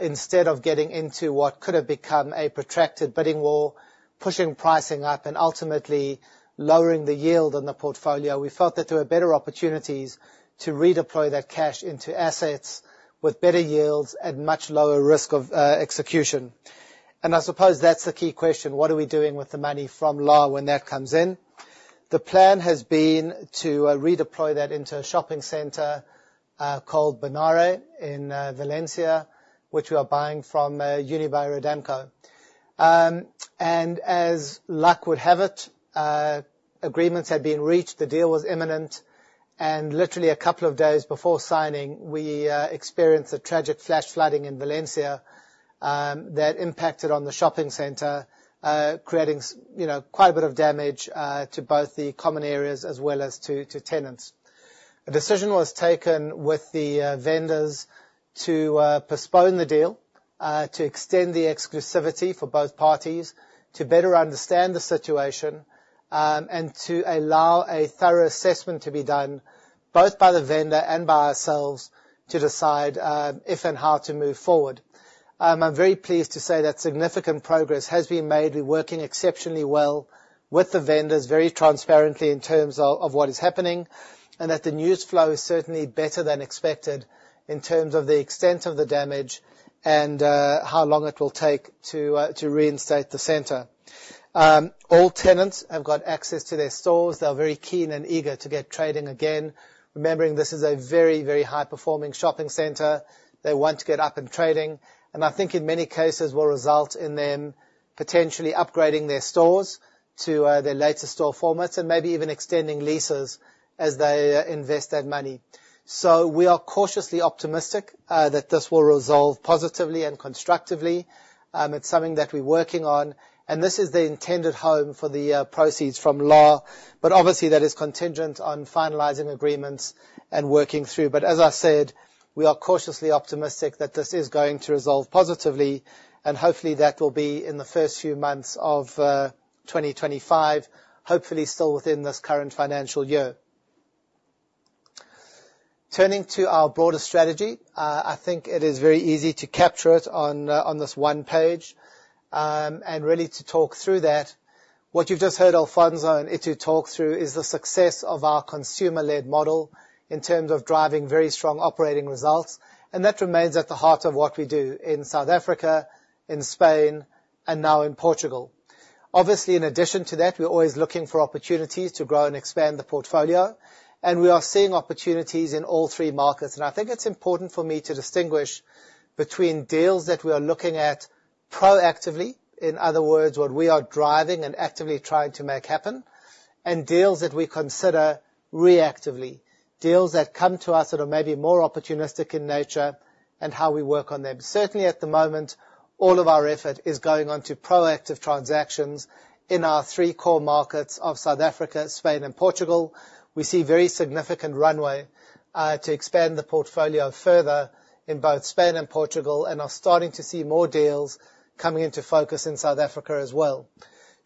instead of getting into what could have become a protracted bidding war, pushing pricing up, and ultimately lowering the yield on the portfolio. We felt that there were better opportunities to redeploy that cash into assets with better yields and much lower risk of execution. I suppose that's the key question: what are we doing with the money from LAR when that comes in? The plan has been to redeploy that into a shopping center called Bonaire in Valencia, which we are buying from Unibail-Rodamco-Westfield. As luck would have it, agreements had been reached, the deal was imminent, and literally a couple of days before signing, we experienced a tragic flash flooding in Valencia, that impacted on the shopping center, creating, quite a bit of damage, to both the common areas as well as to tenants. A decision was taken with the vendors to postpone the deal, to extend the exclusivity for both parties, to better understand the situation, and to allow a thorough assessment to be done, both by the vendor and by ourselves, to decide if and how to move forward. I'm very pleased to say that significant progress has been made. We're working exceptionally well with the vendors, very transparently in terms of what is happening. That the news flow is certainly better than expected in terms of the extent of the damage and how long it will take to reinstate the center. All tenants have got access to their stores. They are very keen and eager to get trading again. Remembering this is a very high-performing shopping center. They want to get up and trading, and I think in many cases will result in them potentially upgrading their stores to their later store formats and maybe even extending leases as they invest that money. We are cautiously optimistic that this will resolve positively and constructively. It's something that we're working on, and this is the intended home for the proceeds from LAR. Obviously, that is contingent on finalizing agreements and working through. As I said, we are cautiously optimistic that this is going to resolve positively, and hopefully that will be in the first few months of 2025, hopefully still within this current financial year. Turning to our broader strategy, I think it is very easy to capture it on this 1 page, and really to talk through that. What you've just heard Alfonso and Itu talk through is the success of our consumer-led model in terms of driving very strong operating results, and that remains at the heart of what we do in South Africa, in Spain, and now in Portugal. In addition to that, we're always looking for opportunities to grow and expand the portfolio, and we are seeing opportunities in all three markets. I think it's important for me to distinguish between deals that we are looking at proactively, in other words, what we are driving and actively trying to make happen, and deals that we consider reactively, deals that come to us that are maybe more opportunistic in nature, and how we work on them. Certainly at the moment, all of our effort is going on to proactive transactions in our three core markets of South Africa, Spain, and Portugal. We see very significant runway to expand the portfolio further in both Spain and Portugal, and are starting to see more deals coming into focus in South Africa as well.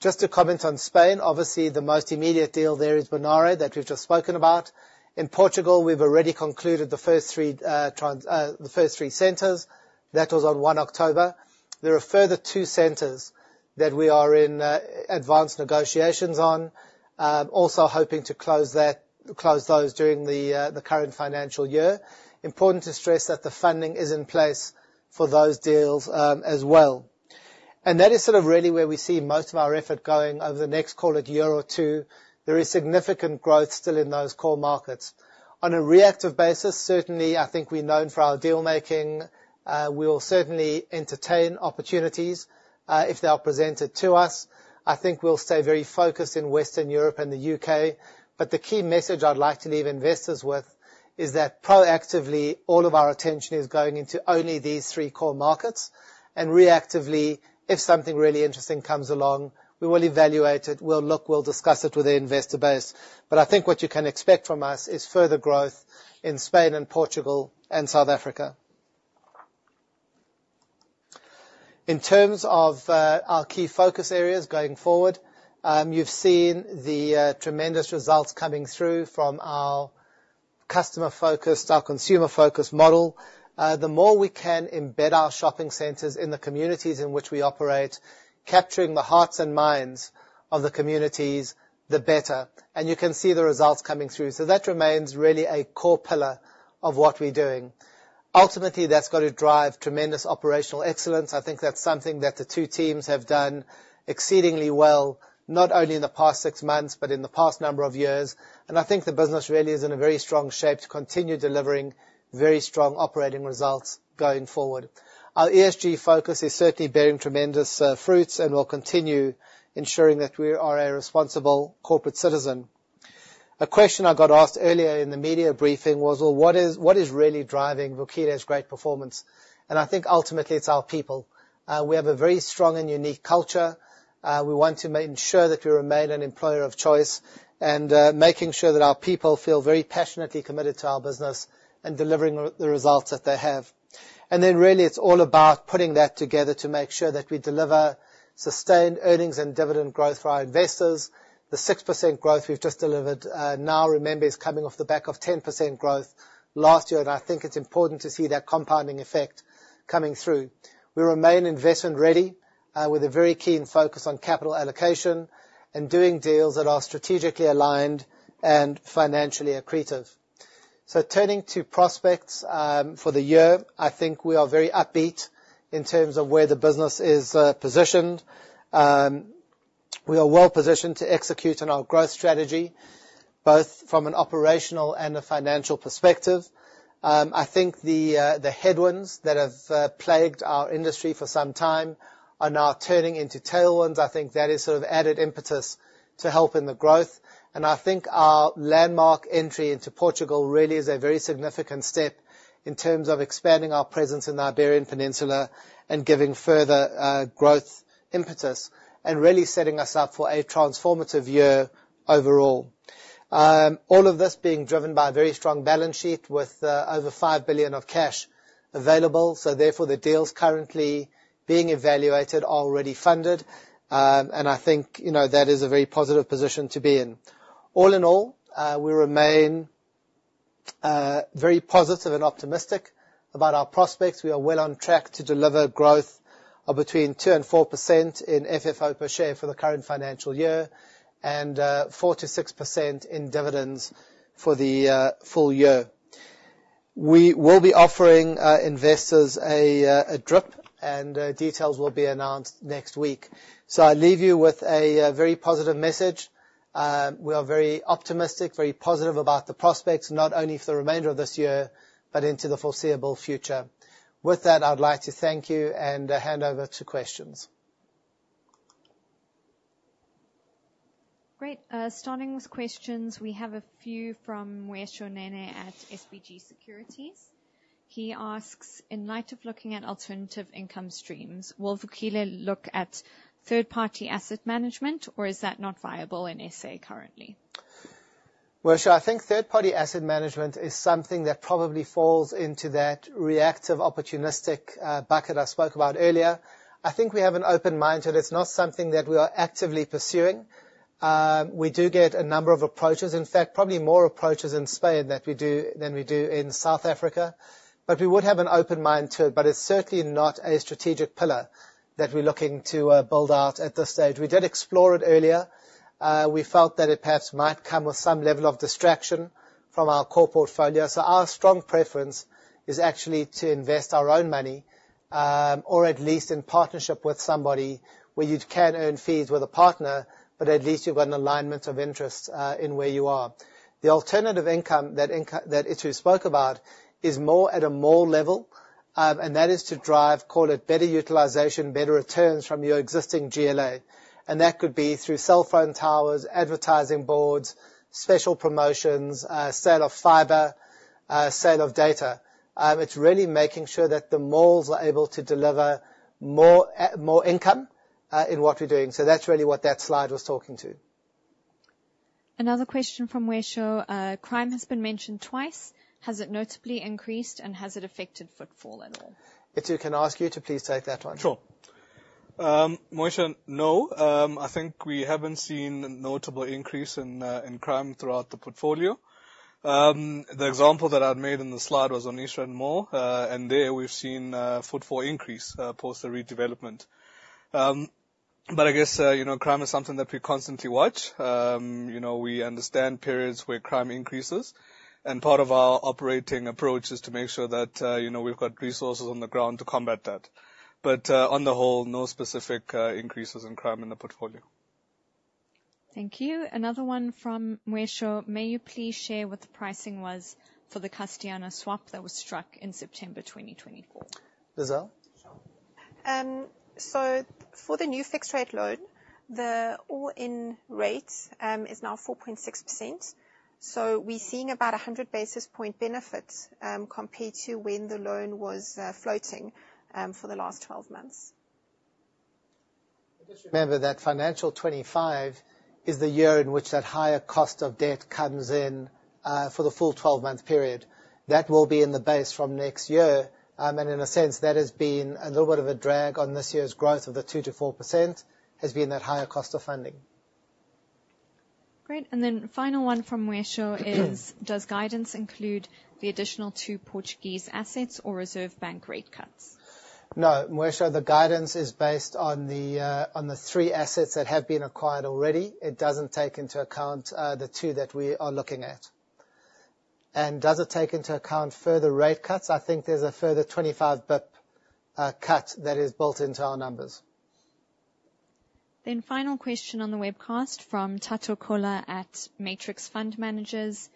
Just to comment on Spain, obviously, the most immediate deal there is Bonaire that we've just spoken about. In Portugal, we've already concluded the first three centers. That was on October 1. There are a further two centers that we are in advanced negotiations on. Also hoping to close that, close those during the current financial year. Important to stress that the funding is in place for those deals as well. That is sort of really where we see most of our effort going over the next, call it year or two. There is significant growth still in those core markets. On a reactive basis, certainly, I think we're known for our deal-making. We will certainly entertain opportunities if they are presented to us. I think we'll stay very focused in Western Europe and the UK. The key message I'd like to leave investors with is that proactively, all of our attention is going into only these 3 core markets. Reactively, if something really interesting comes along, we will evaluate it, we'll look, we'll discuss it with the investor base. I think what you can expect from us is further growth in Spain and Portugal and South Africa. In terms of our key focus areas going forward, you've seen the tremendous results coming through from our customer-focused, our consumer-focused model. The more we can embed our shopping centers in the communities in which we operate, capturing the hearts and minds of the communities, the better. You can see the results coming through. That remains really a core pillar of what we're doing. Ultimately, that's gotta drive tremendous operational excellence. I think that's something that the two teams have done exceedingly well, not only in the past six months, but in the past number of years. I think the business really is in a very strong shape to continue delivering very strong operating results going forward. Our ESG focus is certainly bearing tremendous fruits, and we'll continue ensuring that we are a responsible corporate citizen. A question I got asked earlier in the media briefing was, "Well, what is really driving Vukile's great performance?" I think ultimately it's our people. We have a very strong and unique culture. We want to make sure that we remain an employer of choice, and making sure that our people feel very passionately committed to our business and delivering the results that they have. Really, it's all about putting that together to make sure that we deliver sustained earnings and dividend growth for our investors. The 6% growth we've just delivered, now remember, is coming off the back of 10% growth last year, and I think it's important to see that compounding effect coming through. We remain investment ready. With a very keen focus on capital allocation and doing deals that are strategically aligned and financially accretive. Turning to prospects for the year, I think we are very upbeat in terms of where the business is positioned. We are well positioned to execute on our growth strategy, both from an operational and a financial perspective. I think the headwinds that have plagued our industry for some time are now turning into tailwinds. I think that is sort of added impetus to helping the growth. I think our landmark entry into Portugal really is a very significant step in terms of expanding our presence in the Iberian Peninsula and giving further growth impetus and really setting us up for a transformative year overall. All of this being driven by a very strong balance sheet with over 5 billion of cash available. Therefore, the deals currently being evaluated are already funded. I think, that is a very positive position to be in. All in all, we remain very positive and optimistic about our prospects. We are well on track to deliver growth of between 2% and 4% in FFO per share for the current financial year and 4%-6% in dividends for the full year. We will be offering investors a DRIP and details will be announced next week. I leave you with a very positive message. We are very optimistic, very positive about the prospects, not only for the remainder of this year, but into the foreseeable future. With that, I'd like to thank you and hand over to questions. Great. Starting with questions, we have a few from Mweishö Nene at SBG Securities. He asks, "In light of looking at alternative income streams, will Vukile look at third-party asset management or is that not viable in SA currently? Mweishö, I think third-party asset management is something that probably falls into that reactive, opportunistic, bucket I spoke about earlier. I think we have an open mind to it. It's not something that we are actively pursuing. We do get a number of approaches. In fact, probably more approaches in Spain than we do in South Africa. We would have an open mind to it, but it's certainly not a strategic pillar that we're looking to build out at this stage. We did explore it earlier. We felt that it perhaps might come with some level of distraction from our core portfolio. Our strong preference is actually to invest our own money, or at least in partnership with somebody where you can earn fees with a partner, but at least you've got an alignment of interests in where you are. The alternative income, that Itu spoke about is more at a mall level, and that is to drive, call it better utilization, better returns from your existing GLA. That could be through cell phone towers, advertising boards, special promotions, sale of fiber, sale of data. It's really making sure that the malls are able to deliver more income in what we're doing. That's really what that slide was talking to. Another question from Mweishö. Crime has been mentioned twice. Has it notably increased, and has it affected footfall at all? Itu, can I ask you to please take that one? Sure. Mweishö, no. I think we haven't seen a notable increase in crime throughout the portfolio. The example that I've made in the slide was Onitsha Mall, and there we've seen footfall increase post the redevelopment. I guess, crime is something that we constantly watch. We understand periods where crime increases, and part of our operating approach is to make sure that, we've got resources on the ground to combat that. On the whole, no specific increases in crime in the portfolio. Thank you. Another one from Mweishö. May you please share what the pricing was for the Castellana swap that was struck in September 2024? Lizelle? Sure. For the new fixed rate loan, the all-in rate is now 4.6%. We're seeing about 100 basis point benefit compared to when the loan was floating for the last 12 months. Just remember that financial 25 is the year in which that higher cost of debt comes in, for the full 12-month period. That will be in the base from next year. In a sense, that has been a little bit of a drag on this year's growth of the 2%-4%, has been that higher cost of funding. Great. Then final one from Mweishö is: Does guidance include the additional two Portuguese assets or Reserve Bank rate cuts? No. Mweishö, the guidance is based on the on the three assets that have been acquired already. It doesn't take into account the two that we are looking at. Does it take into account further rate cuts? I think there's a further 25 pip cut that is built into our numbers. Final question on the webcast from Thato Kola at Matrix Fund Managers.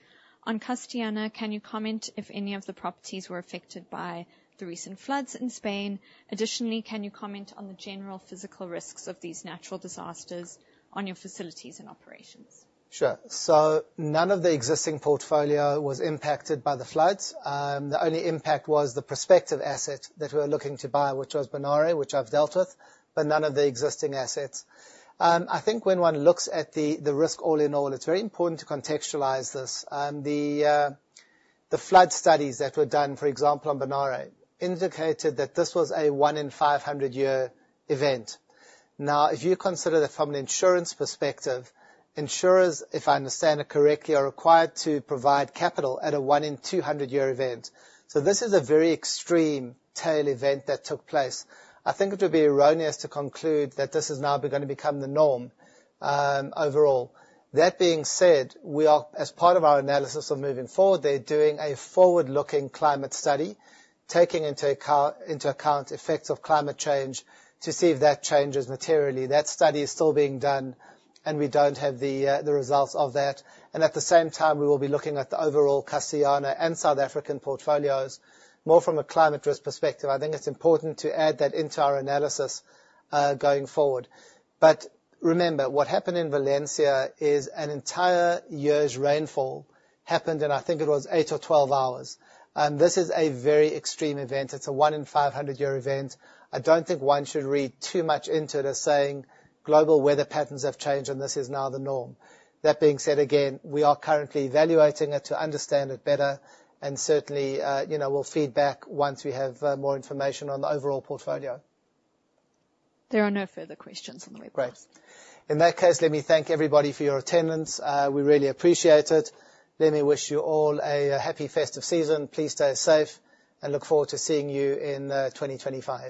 On Castellana, can you comment if any of the properties were affected by the recent floods in Spain? Additionally, can you comment on the general physical risks of these natural disasters on your facilities and operations? Sure. None of the existing portfolio was impacted by the floods. The only impact was the prospective asset that we're looking to buy, which was Bonaire, which I've dealt with, but none of the existing assets. I think when one looks at the risk all in all, it's very important to contextualize this. The flood studies that were done, for example, on Bonaire, indicated that this was a 1 in 500 year event. Now, if you consider that from an insurance perspective, insurers, if I understand it correctly, are required to provide capital at a 1 in 200 year event. This is a very extreme tail event that took place. I think it would be erroneous to conclude that this is now gonna become the norm overall. That being said, we are, as part of our analysis of moving forward, they're doing a forward-looking climate study, taking into account effects of climate change to see if that changes materially. That study is still being done, we don't have the results of that. At the same time, we will be looking at the overall Castellana and South African portfolios more from a climate risk perspective. I think it's important to add that into our analysis going forward. Remember, what happened in Valencia is an entire year's rainfall happened in, I think it was eight or 12 hours. This is a very extreme event. It's a 1 in 500 year event. I don't think one should read too much into it as saying global weather patterns have changed and this is now the norm. That being said, again, we are currently evaluating it to understand it better, and certainly, we'll feed back once we have more information on the overall portfolio. There are no further questions on the webcast. Great. In that case, let me thank everybody for your attendance. We really appreciate it. Let me wish you all a happy festive season. Please stay safe, and look forward to seeing you in 2025.